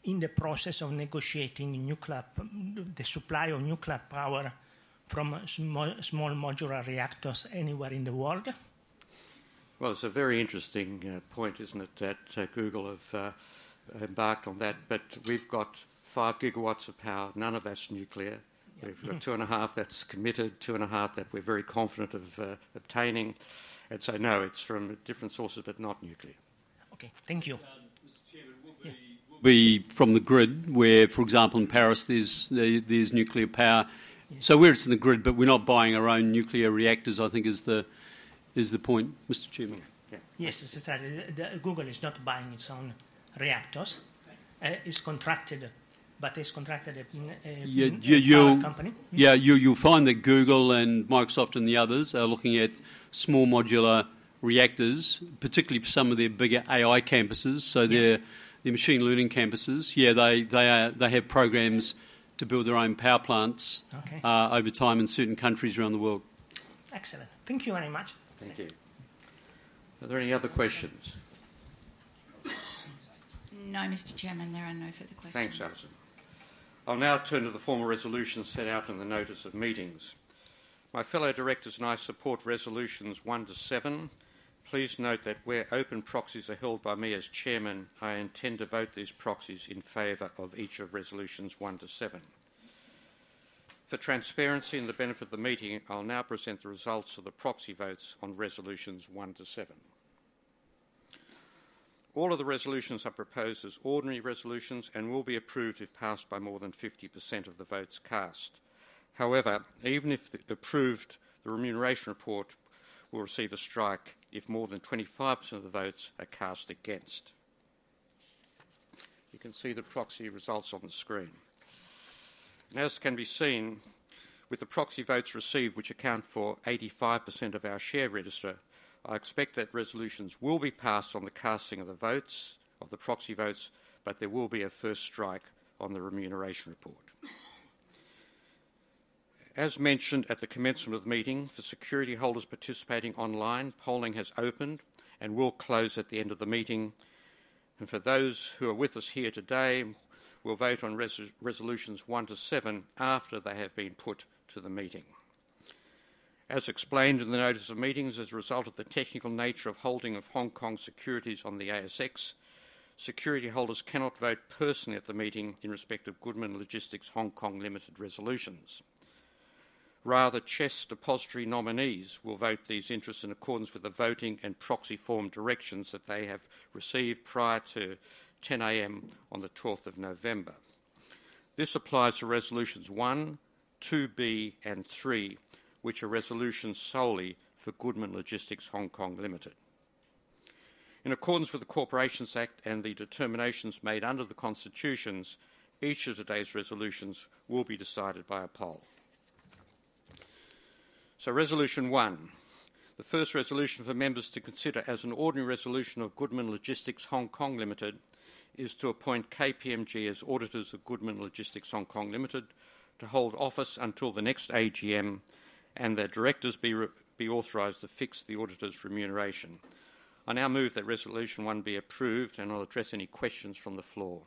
in the process of negotiating the supply of nuclear power from small modular reactors anywhere in the world? It's a very interesting point, isn't it, that Google have embarked on that. But we've got 5 gigawatts of power. None of that's nuclear. We've got 2.5 that's committed, 2.5 that we're very confident of obtaining. And so no, it's from different sources, but not nuclear. Okay. Thank you. Mr. Chairman, will we buy from the grid where, for example, in Paris, there's nuclear power. So we're using the grid, but we're not buying our own nuclear reactors, I think, is the point. Mr. Chairman. Yes, Mr. Saadi, Google is not buying its own reactors. It's contracted, but it's contracted with a power company. Yeah. You'll find that Google and Microsoft and the others are looking at small modular reactors, particularly for some of their bigger AI campuses, so their machine learning campuses. Yeah, they have programs to build their own power plants over time in certain countries around the world. Excellent. Thank you very much. Thank you. Are there any other questions? No, Mr. Chairman. There are no further questions. Thanks, Alison. I'll now turn to the formal resolutions set out in the Notice of Meetings. My fellow directors and I support resolutions one to seven. Please note that where open proxies are held by me as Chairman, I intend to vote these proxies in favor of each of resolutions one to seven. For transparency and the benefit of the meeting, I'll now present the results of the proxy votes on resolutions one to seven. All of the resolutions I propose as ordinary resolutions and will be approved if passed by more than 50% of the votes cast. However, even if approved, the Remuneration Report will receive a strike if more than 25% of the votes are cast against. You can see the proxy results on the screen. As can be seen, with the proxy votes received, which account for 85% of our share register, I expect that resolutions will be passed on the casting of the votes, of the proxy votes, but there will be a first strike on the Remuneration Report. As mentioned at the commencement of the meeting, for security holders participating online, polling has opened and will close at the end of the meeting. And for those who are with us here today, we'll vote on resolutions 1 to 7 after they have been put to the meeting. As explained in the Notice of Meetings, as a result of the technical nature of holding of Hong Kong securities on the ASX, security holders cannot vote personally at the meeting in respect of Goodman Logistics Hong Kong Limited resolutions. Rather, CHESS Depositary Nominees will vote these interests in accordance with the voting and proxy form directions that they have received prior to 10:00 A.M. on the 12th of November. This applies to resolutions 1, 2B, and 3, which are resolutions solely for Goodman Logistics Hong Kong Limited. In accordance with the Corporations Act and the determinations made under the Constitutions, each of today's resolutions will be decided by a poll. So resolution 1, the first resolution for members to consider as an ordinary resolution of Goodman Logistics Hong Kong Limited is to appoint KPMG as auditors of Goodman Logistics Hong Kong Limited to hold office until the next AGM, and their directors be authorized to fix the auditors' remuneration. I now move that resolution 1 be approved, and I'll address any questions from the floor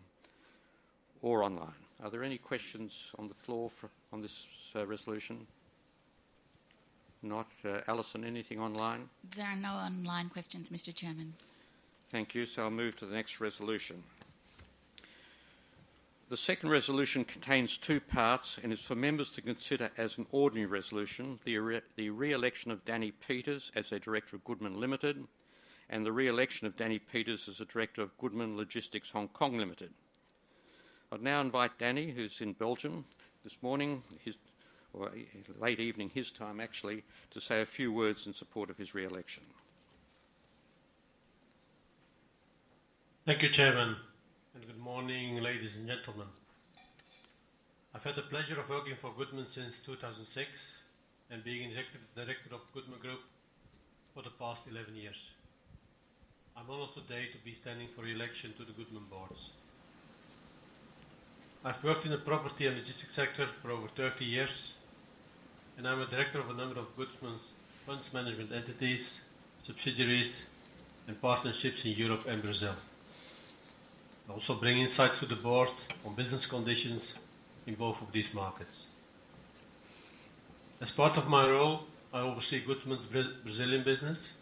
or online. Are there any questions on the floor on this resolution? Not. Alison, anything online? There are no online questions, Mr. Chairman. Thank you. So I'll move to the next resolution. The second resolution contains two parts and is for members to consider, as an ordinary resolution, the re-election of Danny Peeters as a director of Goodman Limited and the re-election of Danny Peeters as a director of Goodman Logistics Hong Kong Limited. I'd now invite Danny, who's in Belgium this morning, or late evening his time, actually, to say a few words in support of his re-election. Thank you, Chairman. Good morning, ladies and gentlemen. I've had the pleasure of working for Goodman since 2006 and being Executive Director of Goodman Group for the past 11 years. I'm almost ready to be standing for re-election to the Goodman boards. I've worked in the property and logistics sector for over 30 years, and I'm a director of a number of Goodman's funds management entities, subsidiaries, and partnerships in Europe and Brazil. I also bring insight to the board on business conditions in both of these markets. As part of my role, I oversee Goodman's Brazilian business.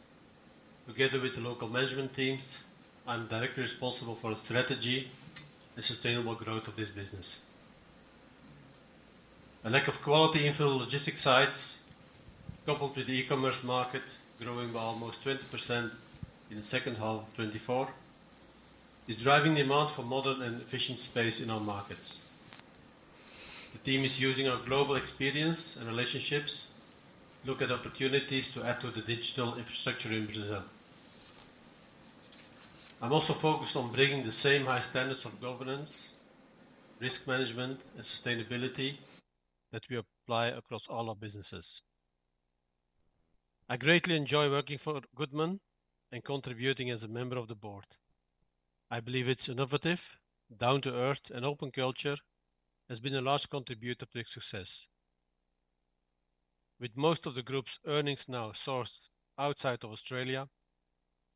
Together with the local management teams, I'm directly responsible for the strategy and sustainable growth of this business. A lack of quality infill logistics sites, coupled with the e-commerce market growing by almost 20% in the second half of 2024, is driving demand for modern and efficient space in our markets. The team is using our global experience and relationships to look at opportunities to add to the digital infrastructure in Brazil. I'm also focused on bringing the same high standards of governance, risk management, and sustainability that we apply across all our businesses. I greatly enjoy working for Goodman and contributing as a member of the board. I believe its innovative, down-to-earth, and open culture has been a large contributor to its success. With most of the group's earnings now sourced outside of Australia,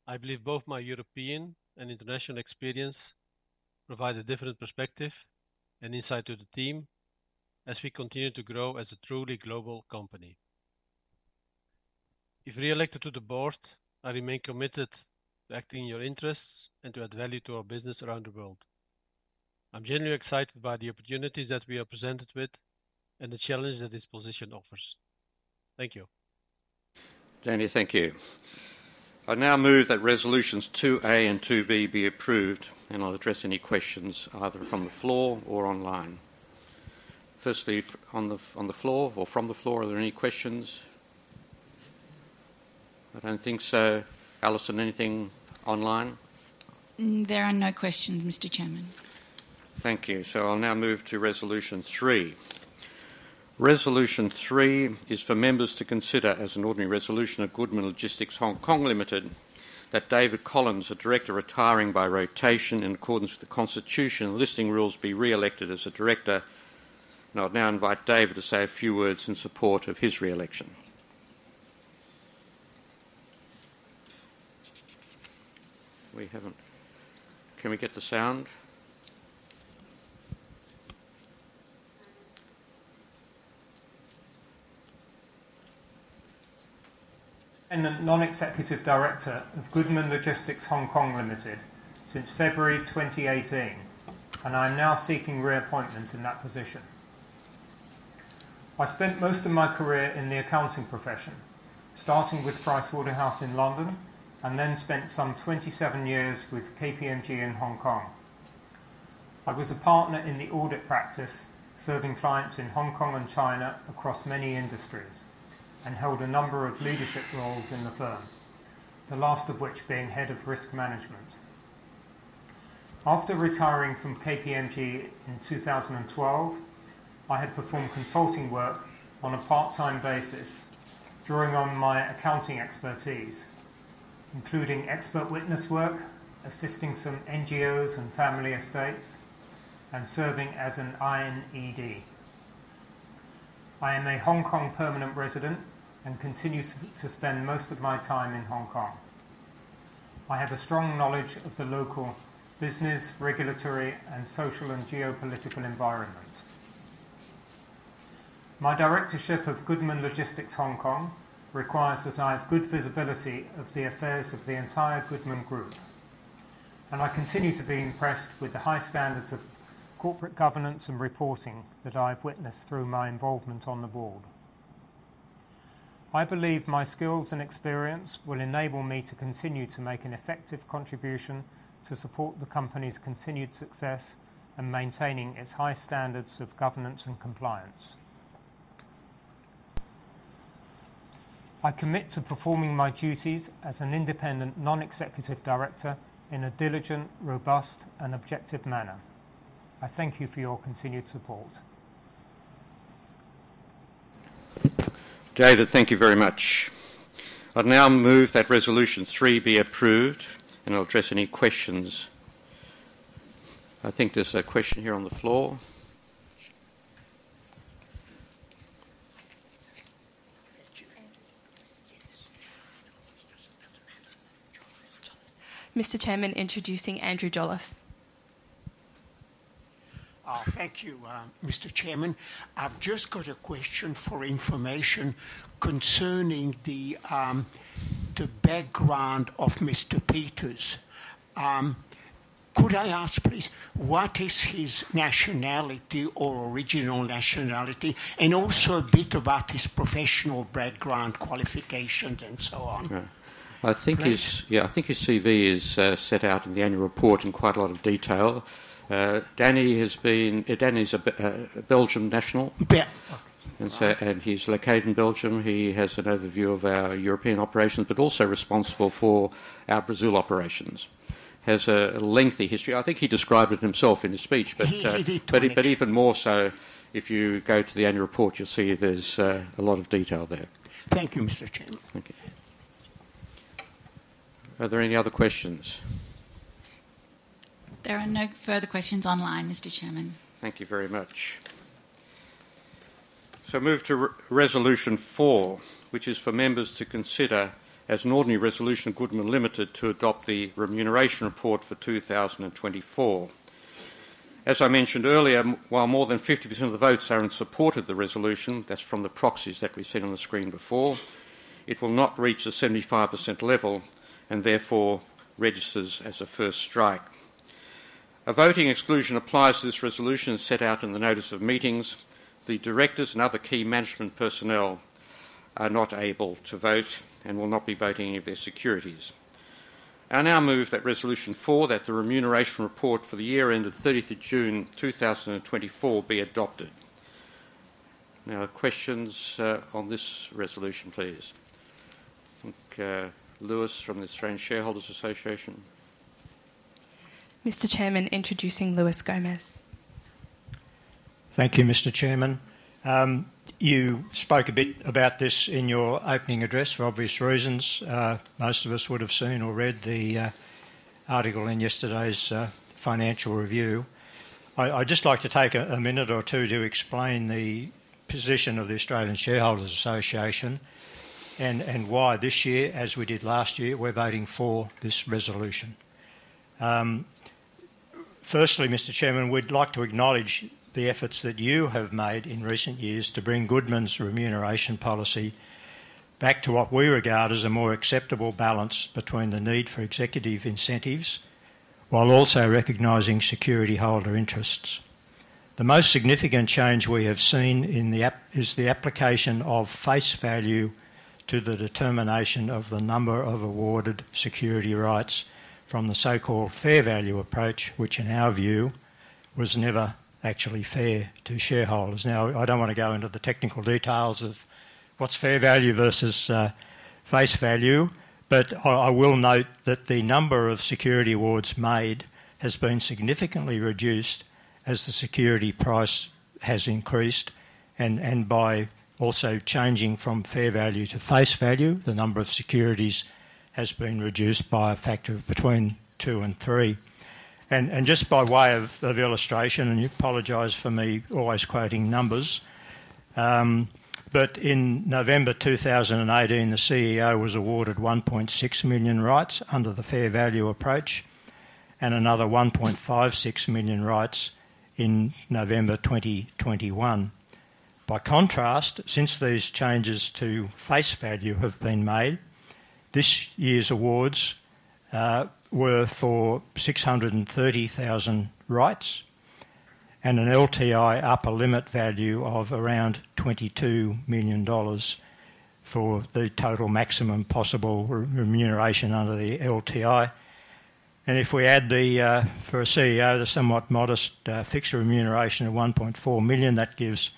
I believe both my European and international experience provide a different perspective and insight to the team as we continue to grow as a truly global company. If re-elected to the board, I remain committed to acting in your interests and to add value to our business around the world. I'm genuinely excited by the opportunities that we are presented with and the challenge that this position offers. Thank you. Danny, thank you. I now move that resolutions 2A and 2B be approved, and I'll address any questions either from the floor or online. Firstly, on the floor or from the floor, are there any questions? I don't think so. Alison, anything online? There are no questions, Mr. Chairman. Thank you. So I'll now move to resolution 3. Resolution 3 is for members to consider as an ordinary resolution of Goodman Logistics Hong Kong Limited that David Collins, a director retiring by rotation in accordance with the Constitution and Listing Rules, be re-elected as a director. And I'll now invite David to say a few words in support of his re-election. Can we get the sound? I'm the non-executive director of Goodman Logistics Hong Kong Limited since February 2018, and I'm now seeking reappointment in that position. I spent most of my career in the accounting profession, starting with Price Waterhouse in London and then spent some 27 years with KPMG in Hong Kong. I was a partner in the audit practice, serving clients in Hong Kong and China across many industries, and held a number of leadership roles in the firm, the last of which being head of risk management. After retiring from KPMG in 2012, I had performed consulting work on a part-time basis, drawing on my accounting expertise, including expert witness work, assisting some NGOs and family estates, and serving as an INED. I am a Hong Kong permanent resident and continue to spend most of my time in Hong Kong. I have a strong knowledge of the local business, regulatory, and social and geopolitical environment. My directorship of Goodman Logistics Hong Kong requires that I have good visibility of the affairs of the entire Goodman Group, and I continue to be impressed with the high standards of corporate governance and reporting that I've witnessed through my involvement on the board. I believe my skills and experience will enable me to continue to make an effective contribution to support the company's continued success and maintaining its high standards of governance and compliance. I commit to performing my duties as an independent non-executive director in a diligent, robust, and objective manner. I thank you for your continued support. David, thank you very much. I'll now move that resolution 3 be approved, and I'll address any questions. I think there's a question here on the floor. Mr. Chairman, introducing Andrew Doulos. Thank you, Mr. Chairman. I've just got a question for information concerning the background of Mr. Peeters. Could I ask, please, what is his nationality or original nationality, and also a bit about his professional background qualifications and so on? Yeah. I think his CV is set out in the annual report in quite a lot of detail. Danny is a Belgian national, and he's located in Belgium. He has an overview of our European operations, but also responsible for our Brazil operations. He has a lengthy history. I think he described it himself in his speech, but even more so, if you go to the annual report, you'll see there's a lot of detail there. Thank you, Mr. Chairman. Thank you. Are there any other questions? There are no further questions online, Mr. Chairman. Thank you very much. So I move to resolution 4, which is for members to consider as an ordinary resolution of Goodman Limited to adopt the Remuneration Report for 2024. As I mentioned earlier, while more than 50% of the votes are in support of the resolution, that's from the proxies that we've seen on the screen before, it will not reach the 75% level and therefore registers as a first strike. A voting exclusion applies to this resolution set out in the Notice of Meetings. The directors and other key management personnel are not able to vote and will not be voting if their securities. I'll now move that resolution 4, that the Remuneration Report for the year ended 30th of June 2024, be adopted. Now, questions on this resolution, please. I think Lewis from the Australian Shareholders' Association. Mr. Chairman, introducing Lewis Gomes. Thank you, Mr. Chairman. You spoke a bit about this in your opening address for obvious reasons. Most of us would have seen or read the article in yesterday's Financial Review. I'd just like to take a minute or two to explain the position of the Australian Shareholders' Association and why this year, as we did last year, we're voting for this resolution. Firstly, Mr. Chairman, we'd like to acknowledge the efforts that you have made in recent years to bring Goodman's remuneration policy back to what we regard as a more acceptable balance between the need for executive incentives while also recognizing security holder interests. The most significant change we have seen is the application of face value to the determination of the number of awarded security rights from the so-called fair value approach, which in our view was never actually fair to shareholders. Now, I don't want to go into the technical details of what's fair value versus face value, but I will note that the number of security awards made has been significantly reduced as the security price has increased. And by also changing from fair value to face value, the number of securities has been reduced by a factor between two and three. And just by way of illustration, and you apologize for me always quoting numbers, but in November 2018, the CEO was awarded 1.6 million rights under the fair value approach and another 1.56 million rights in November 2021. By contrast, since these changes to face value have been made, this year's awards were for 630,000 rights and an LTI upper limit value of around 22 million dollars for the total maximum possible remuneration under the LTI. If we add the for a CEO the somewhat modest fixed remuneration of 1.4 million, that gives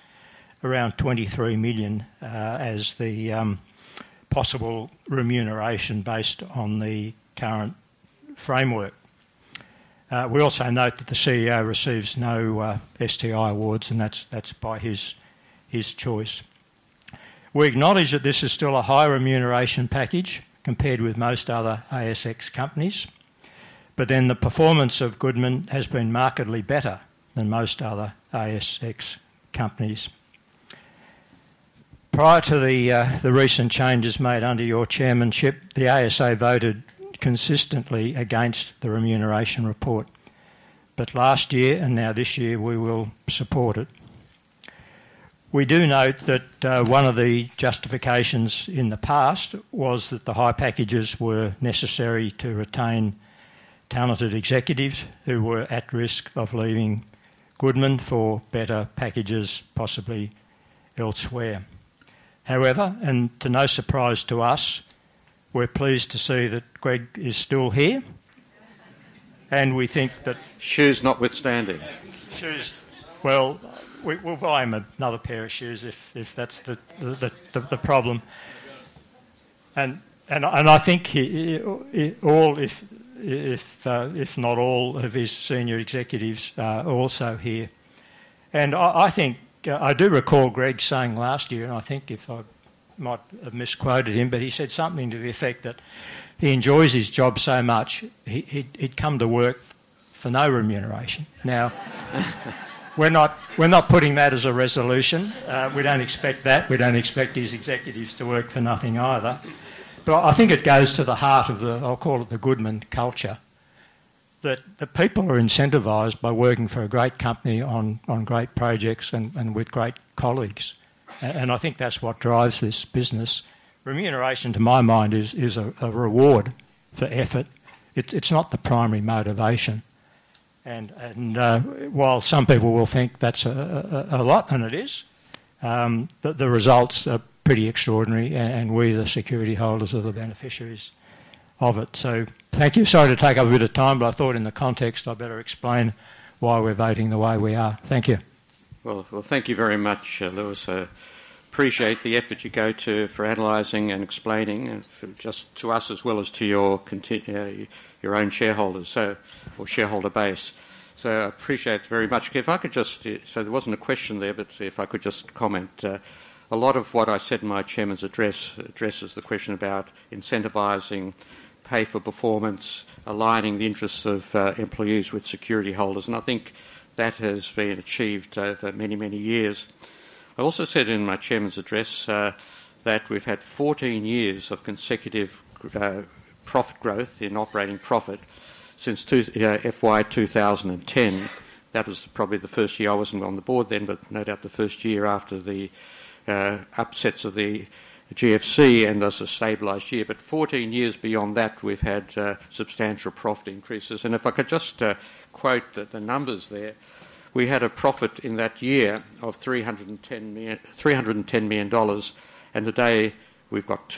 around 23 million as the possible remuneration based on the current framework. We also note that the CEO receives no STI awards, and that's by his choice. We acknowledge that this is still a high remuneration package compared with most other ASX companies, but then the performance of Goodman has been markedly better than most other ASX companies. Prior to the recent changes made under your chairmanship, the ASA voted consistently against the Remuneration Report, but last year and now this year, we will support it. We do note that one of the justifications in the past was that the high packages were necessary to retain talented executives who were at risk of leaving Goodman for better packages possibly elsewhere. However, and to no surprise to us, we're pleased to see that Greg is still here, and we think that. Shoes notwithstanding. Shoes. I'm another pair of shoes if that's the problem. And I think all, if not all, of his senior executives are also here. And I think I do recall Greg saying last year, and I think I might have misquoted him, but he said something to the effect that he enjoys his job so much, he'd come to work for no remuneration. Now, we're not putting that as a resolution. We don't expect that. We don't expect these executives to work for nothing either. But I think it goes to the heart of the, I'll call it the Goodman culture, that the people are incentivized by working for a great company on great projects and with great colleagues. And I think that's what drives this business. Remuneration, to my mind, is a reward for effort. It's not the primary motivation. And while some people will think that's a lot, and it is, the results are pretty extraordinary, and we the security holders are the beneficiaries of it. So thank you. Sorry to take up a bit of time, but I thought in the context, I better explain why we're voting the way we are. Thank you. Well, thank you very much, Lewis. I appreciate the effort you go to for analyzing and explaining just to us as well as to your own shareholders or shareholder base. So I appreciate it very much. If I could just, so there wasn't a question there, but if I could just comment, a lot of what I said in my chairman's address addresses the question about incentivizing, pay for performance, aligning the interests of employees with security holders. And I think that has been achieved over many, many years. I also said in my chairman's address that we've had 14 years of consecutive profit growth in operating profit since FY 2010. That was probably the first year. I wasn't on the board then, but no doubt the first year after the upsets of the GFC, and that's a stabilized year. But 14 years beyond that, we've had substantial profit increases. And if I could just quote the numbers there, we had a profit in that year of 310 million dollars, and today we've got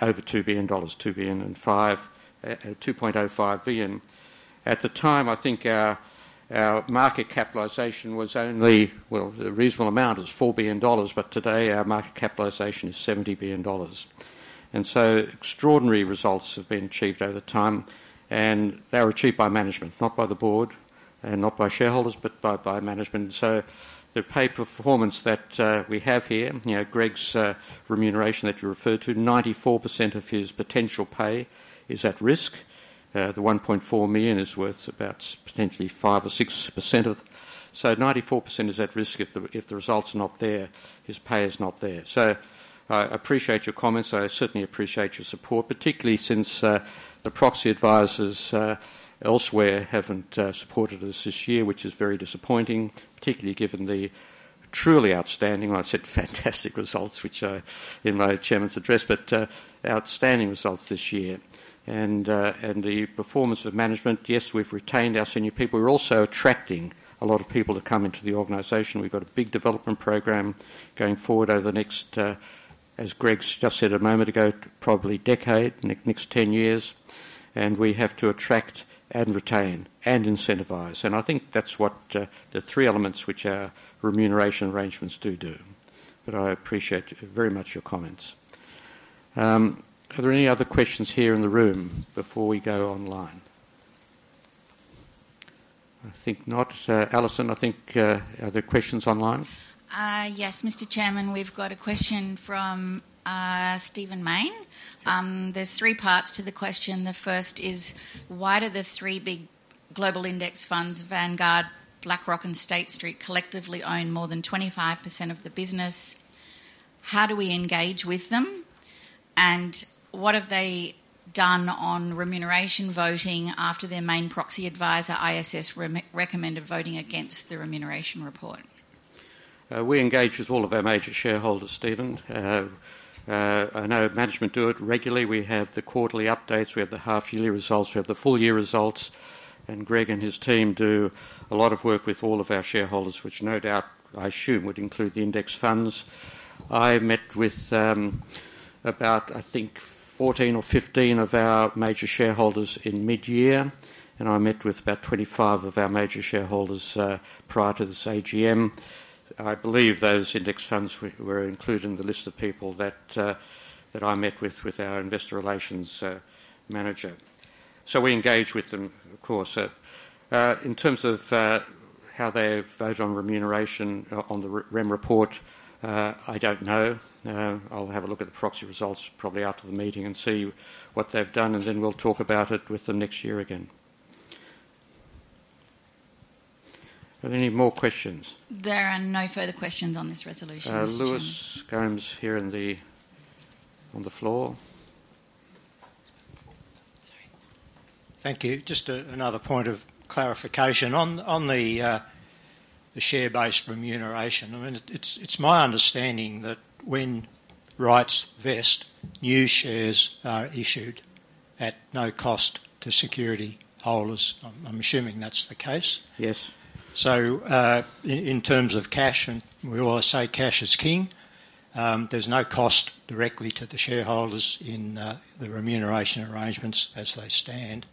over 2 billion dollars, 2.05 billion. At the time, I think our market capitalization was only, well, a reasonable amount is 4 billion dollars, but today our market capitalization is 70 billion dollars. And so extraordinary results have been achieved over time, and they were achieved by management, not by the board and not by shareholders, but by management. So the pay performance that we have here, Greg's remuneration that you referred to, 94% of his potential pay is at risk. The 1.4 million is worth about potentially 5%-6% of it. So 94% is at risk if the results are not there, his pay is not there. So I appreciate your comments. I certainly appreciate your support, particularly since the proxy advisors elsewhere haven't supported us this year, which is very disappointing, particularly given the truly outstanding. I said fantastic results, which in my Chairman's address, but outstanding results this year. And the performance of management, yes, we've retained our senior people. We're also attracting a lot of people to come into the organization. We've got a big development program going forward over the next, as Greg just said a moment ago, probably decade, next 10 years. And we have to attract and retain and incentivize. And I think that's what the three elements which our remuneration arrangements do. But I appreciate very much your comments. Are there any other questions here in the room before we go online? I think not. Alison, I think are there questions online? Yes, Mr. Chairman, we've got a question from Stephen Mayne. There's three parts to the question. The first is, why do the three big global index funds, Vanguard, BlackRock, and State Street collectively own more than 25% of the business? How do we engage with them? And what have they done on remuneration voting after their main proxy advisor, ISS, recommended voting against the Remuneration Report? We engage with all of our major shareholders, Stephen. I know management do it regularly. We have the quarterly updates. We have the half-yearly results. We have the full-year results. And Greg and his team do a lot of work with all of our shareholders, which no doubt, I assume, would include the index funds. I met with about, I think, 14 or 15 of our major shareholders in mid-year, and I met with about 25 of our major shareholders prior to this AGM. I believe those index funds were included in the list of people that I met with, with our investor relations manager. So we engage with them, of course. In terms of how they vote on remuneration on the Rem Report, I don't know. I'll have a look at the proxy results probably after the meeting and see what they've done, and then we'll talk about it with them next year again. Are there any more questions? There are no further questions on this resolution. Lewis Gomes here on the floor. Thank you. Just another point of clarification on the share-based remuneration. I mean, it's my understanding that when rights vest, new shares are issued at no cost to security holders. I'm assuming that's the case. Yes. So in terms of cash, and we always say cash is king, there's no cost directly to the shareholders in the remuneration arrangements as they stand.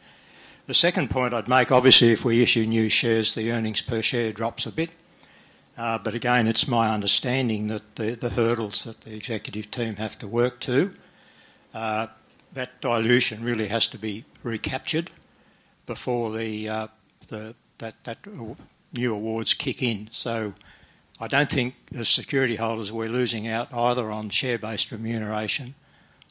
The second point I'd make, obviously, if we issue new shares, the earnings per share drops a bit. But again, it's my understanding that the hurdles that the executive team have to work to, that dilution really has to be recaptured before that new awards kick in. So I don't think the security holders are losing out either on share-based remuneration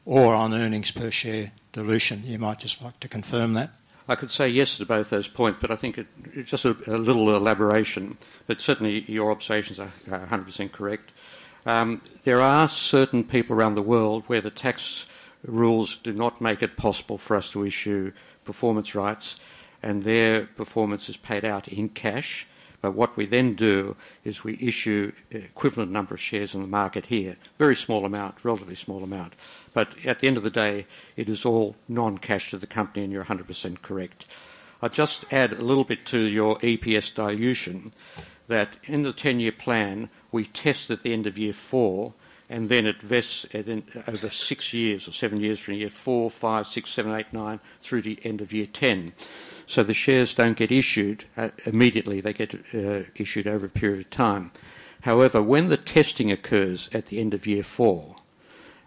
or on earnings per share dilution. You might just like to confirm that? I could say yes to both those points, but I think just a little elaboration. But certainly, your observations are 100% correct. There are certain people around the world where the tax rules do not make it possible for us to issue performance rights, and their performance is paid out in cash. But what we then do is we issue an equivalent number of shares in the market here. Very small amount, relatively small amount. But at the end of the day, it is all non-cash to the company, and you're 100% correct. I'll just add a little bit to your EPS dilution that in the 10-year plan, we test at the end of year four, and then it vests over six years or seven years from year four, five, six, seven, eight, nine through the end of year 10. So the shares don't get issued immediately. They get issued over a period of time. However, when the testing occurs at the end of year four,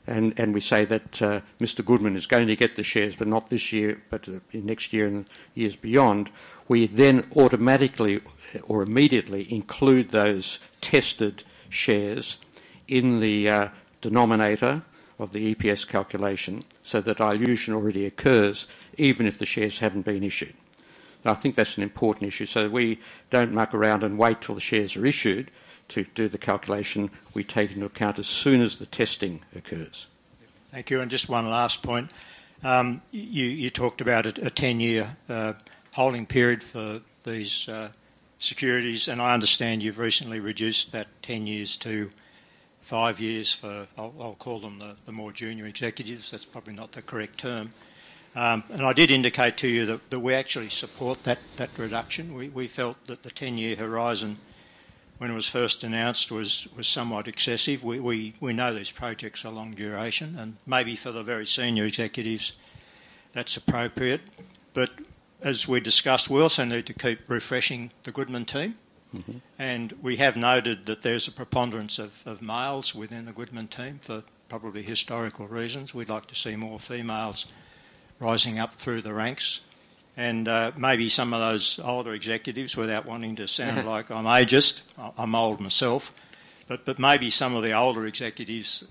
and we say that Mr. Goodman is going to get the shares, but not this year, but next year and years beyond, we then automatically or immediately include those tested shares in the denominator of the EPS calculation so that dilution already occurs even if the shares haven't been issued. I think that's an important issue. So we don't muck around and wait till the shares are issued to do the calculation. We take into account as soon as the testing occurs. Thank you. And just one last point. You talked about a 10-year holding period for these securities, and I understand you've recently reduced that 10 years to five years for, I'll call them the more junior executives. That's probably not the correct term. And I did indicate to you that we actually support that reduction. We felt that the 10-year horizon when it was first announced was somewhat excessive. We know these projects are long duration, and maybe for the very senior executives, that's appropriate. But as we discussed, we also need to keep refreshing the Goodman team. And we have noted that there's a preponderance of males within the Goodman team for probably historical reasons. We'd like to see more females rising up through the ranks. Maybe some of those older executives, without wanting to sound like I'm ageist, I'm old myself, but maybe some of the older executives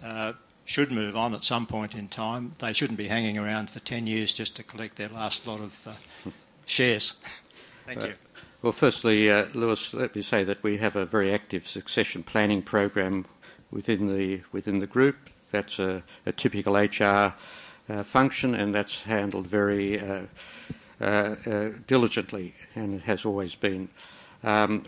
should move on at some point in time. They shouldn't be hanging around for 10 years just to collect their last lot of shares. Thank you. Firstly, Lewis, let me say that we have a very active succession planning program within the group. That's a typical HR function, and that's handled very diligently and has always been.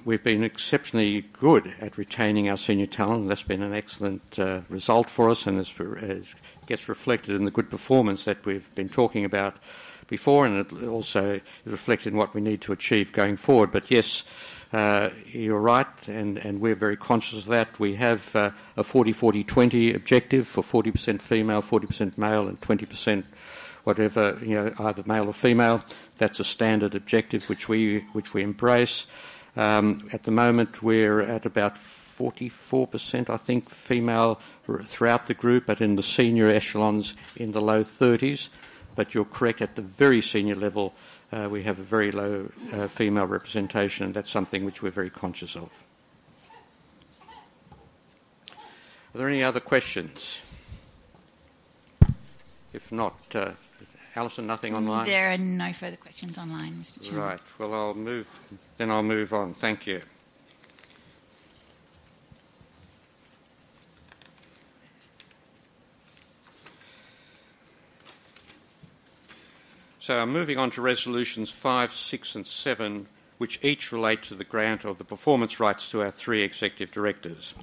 We've been exceptionally good at retaining our senior talent, and that's been an excellent result for us, and it gets reflected in the good performance that we've been talking about before, and it also reflects in what we need to achieve going forward. Yes, you're right, and we're very conscious of that. We have a 40%-40%-20% objective for 40% female, 40% male, and 20% whatever, either male or female. That's a standard objective which we embrace. At the moment, we're at about 44%, I think, female throughout the group, but in the senior echelons in the low 30s. But you're correct, at the very senior level, we have a very low female representation, and that's something which we're very conscious of. Are there any other questions? If not, Alison, nothing online? There are no further questions online, Mr. Chairman. All right, well, then I'll move on. Thank you, so I'm moving on to resolutions five, six, and seven, which each relate to the grant of the performance rights to our three executive directors.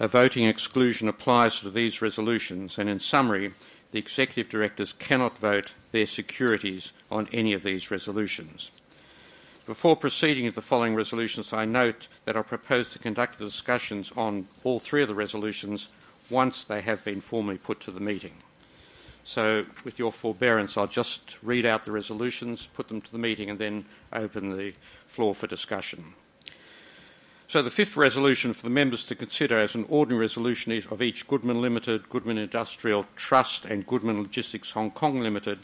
A voting exclusion applies to these resolutions, and in summary, the executive directors cannot vote their securities on any of these resolutions. Before proceeding with the following resolutions, I note that I propose to conduct the discussions on all three of the resolutions once they have been formally put to the meeting, so with your forbearance, I'll just read out the resolutions, put them to the meeting, and then open the floor for discussion. So the fifth resolution for the members to consider as an ordinary resolution of each Goodman Limited, Goodman Industrial Trust, and Goodman Logistics Hong Kong Limited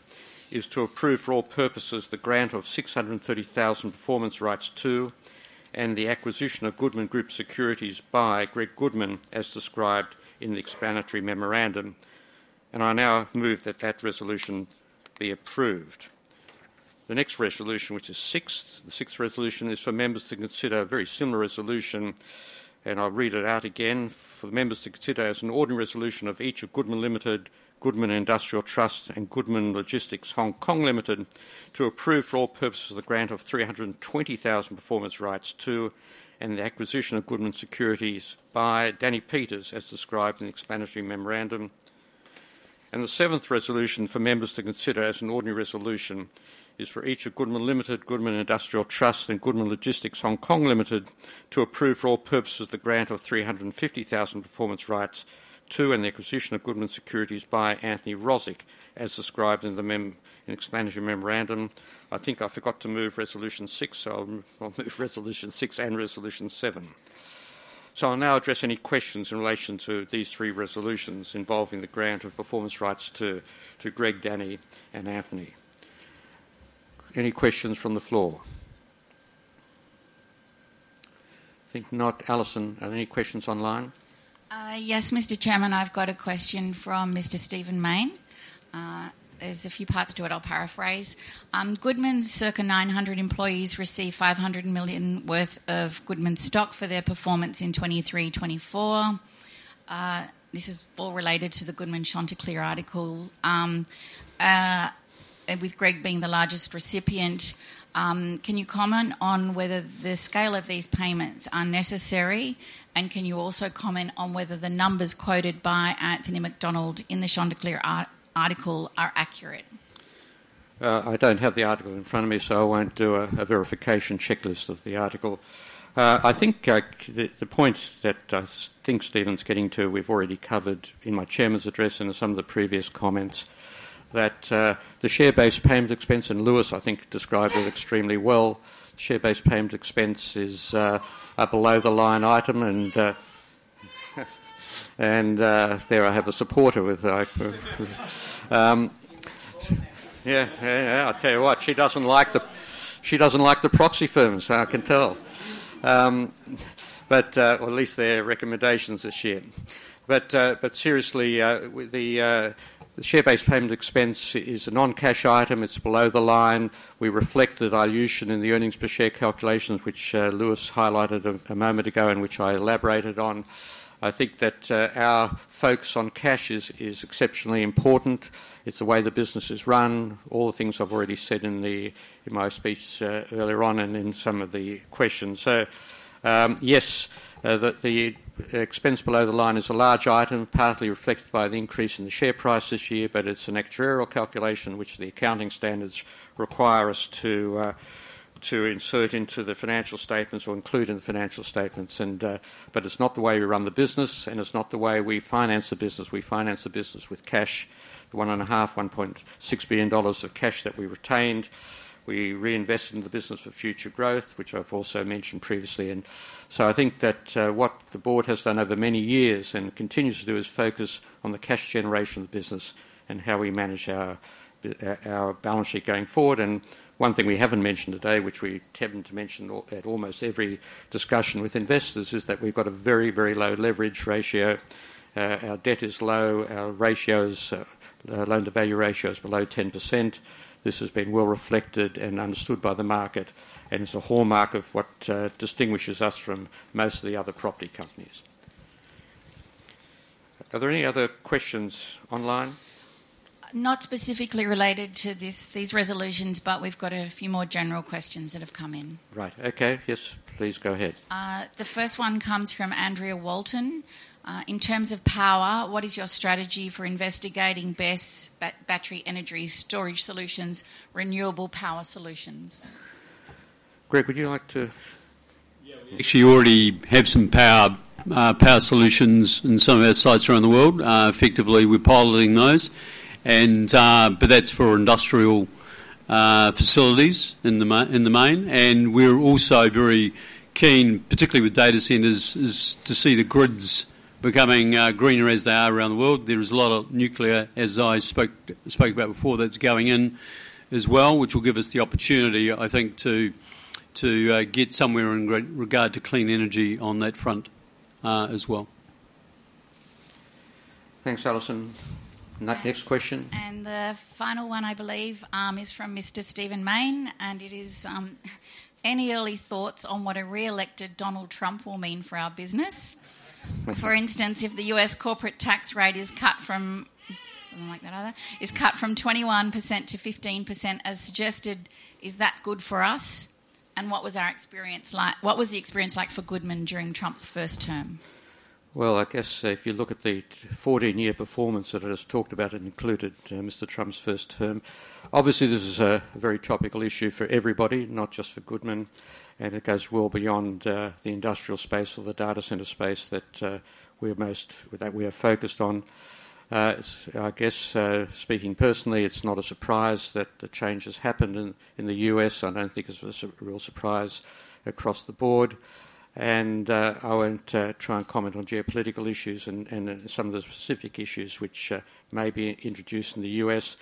is to approve for all purposes the grant of 630,000 performance rights to and the acquisition of Goodman Group securities by Greg Goodman, as described in the explanatory memorandum, and I now move that that resolution be approved. The next resolution, which is sixth, the sixth resolution is for members to consider a very similar resolution, and I'll read it out again for the members to consider as an ordinary resolution of each of Goodman Limited, Goodman Industrial Trust, and Goodman Logistics Hong Kong Limited to approve for all purposes the grant of 320,000 performance rights to and the acquisition of Goodman securities by Danny Peeters, as described in the explanatory memorandum. The seventh resolution for members to consider as an ordinary resolution is for each of Goodman Limited, Goodman Industrial Trust, and Goodman Logistics Hong Kong Limited to approve for all purposes the grant of 350,000 performance rights to and the acquisition of Goodman securities by Anthony Rozic, as described in the explanatory memorandum. I think I forgot to move resolution six, so I'll move resolution six and resolution seven. So I'll now address any questions in relation to these three resolutions involving the grant of performance rights to Greg, Danny, and Anthony. Any questions from the floor? I think not. Alison, are there any questions online? Yes, Mr. Chairman, I've got a question from Mr. Stephen Mayne. There's a few parts to it. I'll paraphrase. Goodman's circa 900 employees receive 500 million worth of Goodman stock for their performance in 2023-24. This is all related to the Goodman Chanticleer article. With Greg being the largest recipient, can you comment on whether the scale of these payments are necessary, and can you also comment on whether the numbers quoted by Anthony Macdonald in the Chanticleer article are accurate? I don't have the article in front of me, so I won't do a verification checklist of the article. I think the point that I think Stephen's getting to, we've already covered in my chairman's address and in some of the previous comments, that the share-based payment expense, and Lewis I think described it extremely well, the share-based payment expense is a below-the-line item, and there I have a supporter with. Yeah, yeah, yeah. I'll tell you what, she doesn't like the proxy firms, I can tell. But at least their recommendations are shared. But seriously, the share-based payment expense is a non-cash item. It's below the line. We reflect the dilution in the earnings per share calculations, which Lewis highlighted a moment ago and which I elaborated on. I think that our focus on cash is exceptionally important. It's the way the business is run, all the things I've already said in my speech earlier on and in some of the questions. So yes, the expense below the line is a large item, partly reflected by the increase in the share price this year, but it's an actuarial calculation which the accounting standards require us to insert into the financial statements or include in the financial statements. But it's not the way we run the business, and it's not the way we finance the business. We finance the business with cash, the one and a half, 1.6 billion dollars of cash that we retained. We reinvest in the business for future growth, which I've also mentioned previously. And so I think that what the board has done over many years and continues to do is focus on the cash generation of the business and how we manage our balance sheet going forward. And one thing we haven't mentioned today, which we tend to mention at almost every discussion with investors, is that we've got a very, very low leverage ratio. Our debt is low. Our loan-to-value ratio is below 10%. This has been well reflected and understood by the market, and it's a hallmark of what distinguishes us from most of the other property companies. Are there any other questions online? Not specifically related to these resolutions, but we've got a few more general questions that have come in. Right. Okay. Yes, please go ahead. The first one comes from Andrea Walton. In terms of power, what is your strategy for investigating best battery energy storage solutions, renewable power solutions? Greg, would you like to? Yeah, we actually already have some power solutions in some of our sites around the world. Effectively, we're piloting those, but that's for industrial facilities in the main. And we're also very keen, particularly with data centers, to see the grids becoming greener as they are around the world. There is a lot of nuclear, as I spoke about before, that's going in as well, which will give us the opportunity, I think, to get somewhere in regard to clean energy on that front as well. Thanks, Alison. Next question. The final one, I believe, is from Mr. Stephen Mayne, and it is, any early thoughts on what a re-elected Donald Trump will mean for our business? For instance, if the U.S. corporate tax rate is cut from 21% to 15% as suggested, is that good for us? And what was our experience like? What was the experience like for Goodman during Trump's first term? I guess if you look at the 14-year performance that it has talked about and included Mr. Trump's first term, obviously this is a very topical issue for everybody, not just for Goodman, and it goes well beyond the industrial space or the data center space that we are focused on. I guess speaking personally, it's not a surprise that the changes happened in the U.S. I don't think it's a real surprise across the board. And I won't try and comment on geopolitical issues and some of the specific issues which may be introduced in the U.S.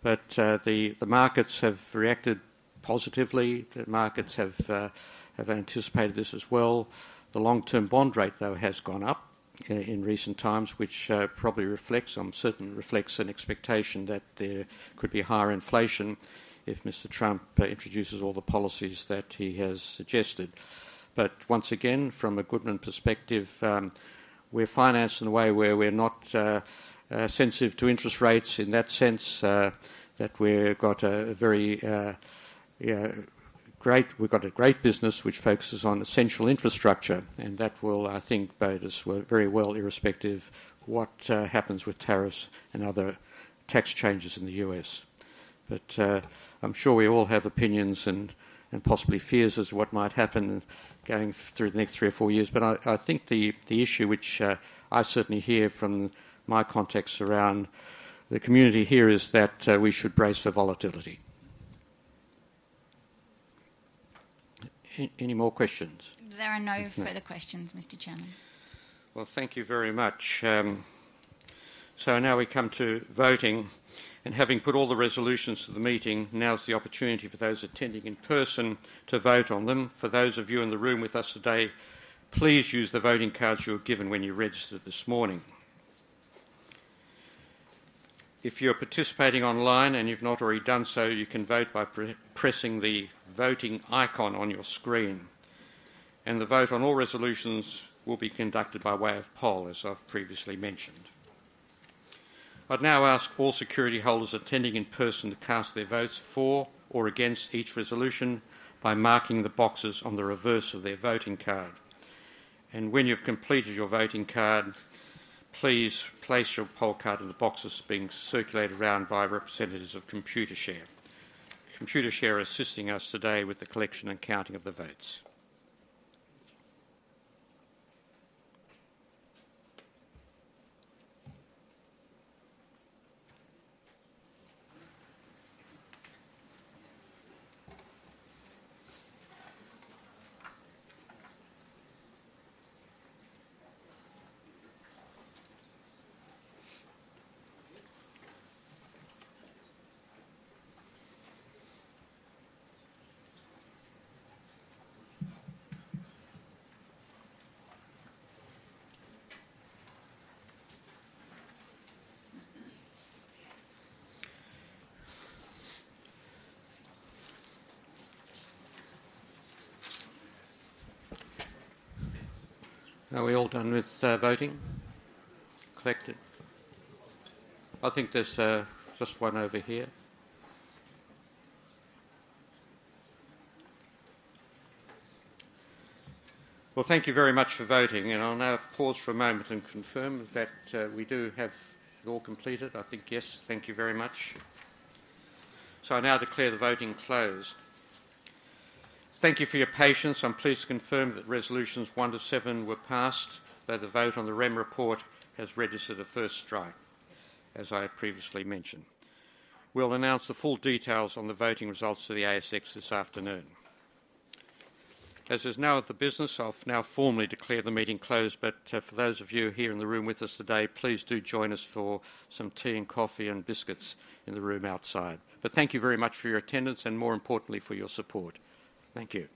But the markets have reacted positively. The markets have anticipated this as well. The long-term bond rate, though, has gone up in recent times, which probably reflects, I'm certain reflects an expectation that there could be higher inflation if Mr. Trump introduces all the policies that he has suggested. But once again, from a Goodman perspective, we're financed in a way where we're not sensitive to interest rates in that sense that we've got a great business which focuses on essential infrastructure, and that will, I think, be very well irrespective of what happens with tariffs and other tax changes in the U.S. But I'm sure we all have opinions and possibly fears as to what might happen going through the next three or four years. But I think the issue which I certainly hear from my context around the community here is that we should brace for volatility. Any more questions? There are no further questions, Mr. Chairman. Thank you very much. Now we come to voting. Having put all the resolutions to the meeting, now's the opportunity for those attending in person to vote on them. For those of you in the room with us today, please use the voting cards you were given when you registered this morning. If you're participating online and you've not already done so, you can vote by pressing the voting icon on your screen. The vote on all resolutions will be conducted by way of poll, as I've previously mentioned. I'd now ask all security holders attending in person to cast their votes for or against each resolution by marking the boxes on the reverse of their voting card. When you've completed your voting card, please place your poll card in the boxes being circulated around by representatives of Computershare. Computershare is assisting us today with the collection and counting of the votes. Are we all done with voting? Collected? I think there's just one over here. Thank you very much for voting. I'll now pause for a moment and confirm that we do have it all completed. I think yes. Thank you very much. I now declare the voting closed. Thank you for your patience. I'm pleased to confirm that resolutions one to seven were passed, but the vote on the Remuneration Report has registered a first strike, as I previously mentioned. We'll announce the full details on the voting results to the ASX this afternoon. That is now all of the business. I'll now formally declare the meeting closed. But for those of you here in the room with us today, please do join us for some tea and coffee and biscuits in the room outside. But thank you very much for your attendance and, more importantly, for your support. Thank you.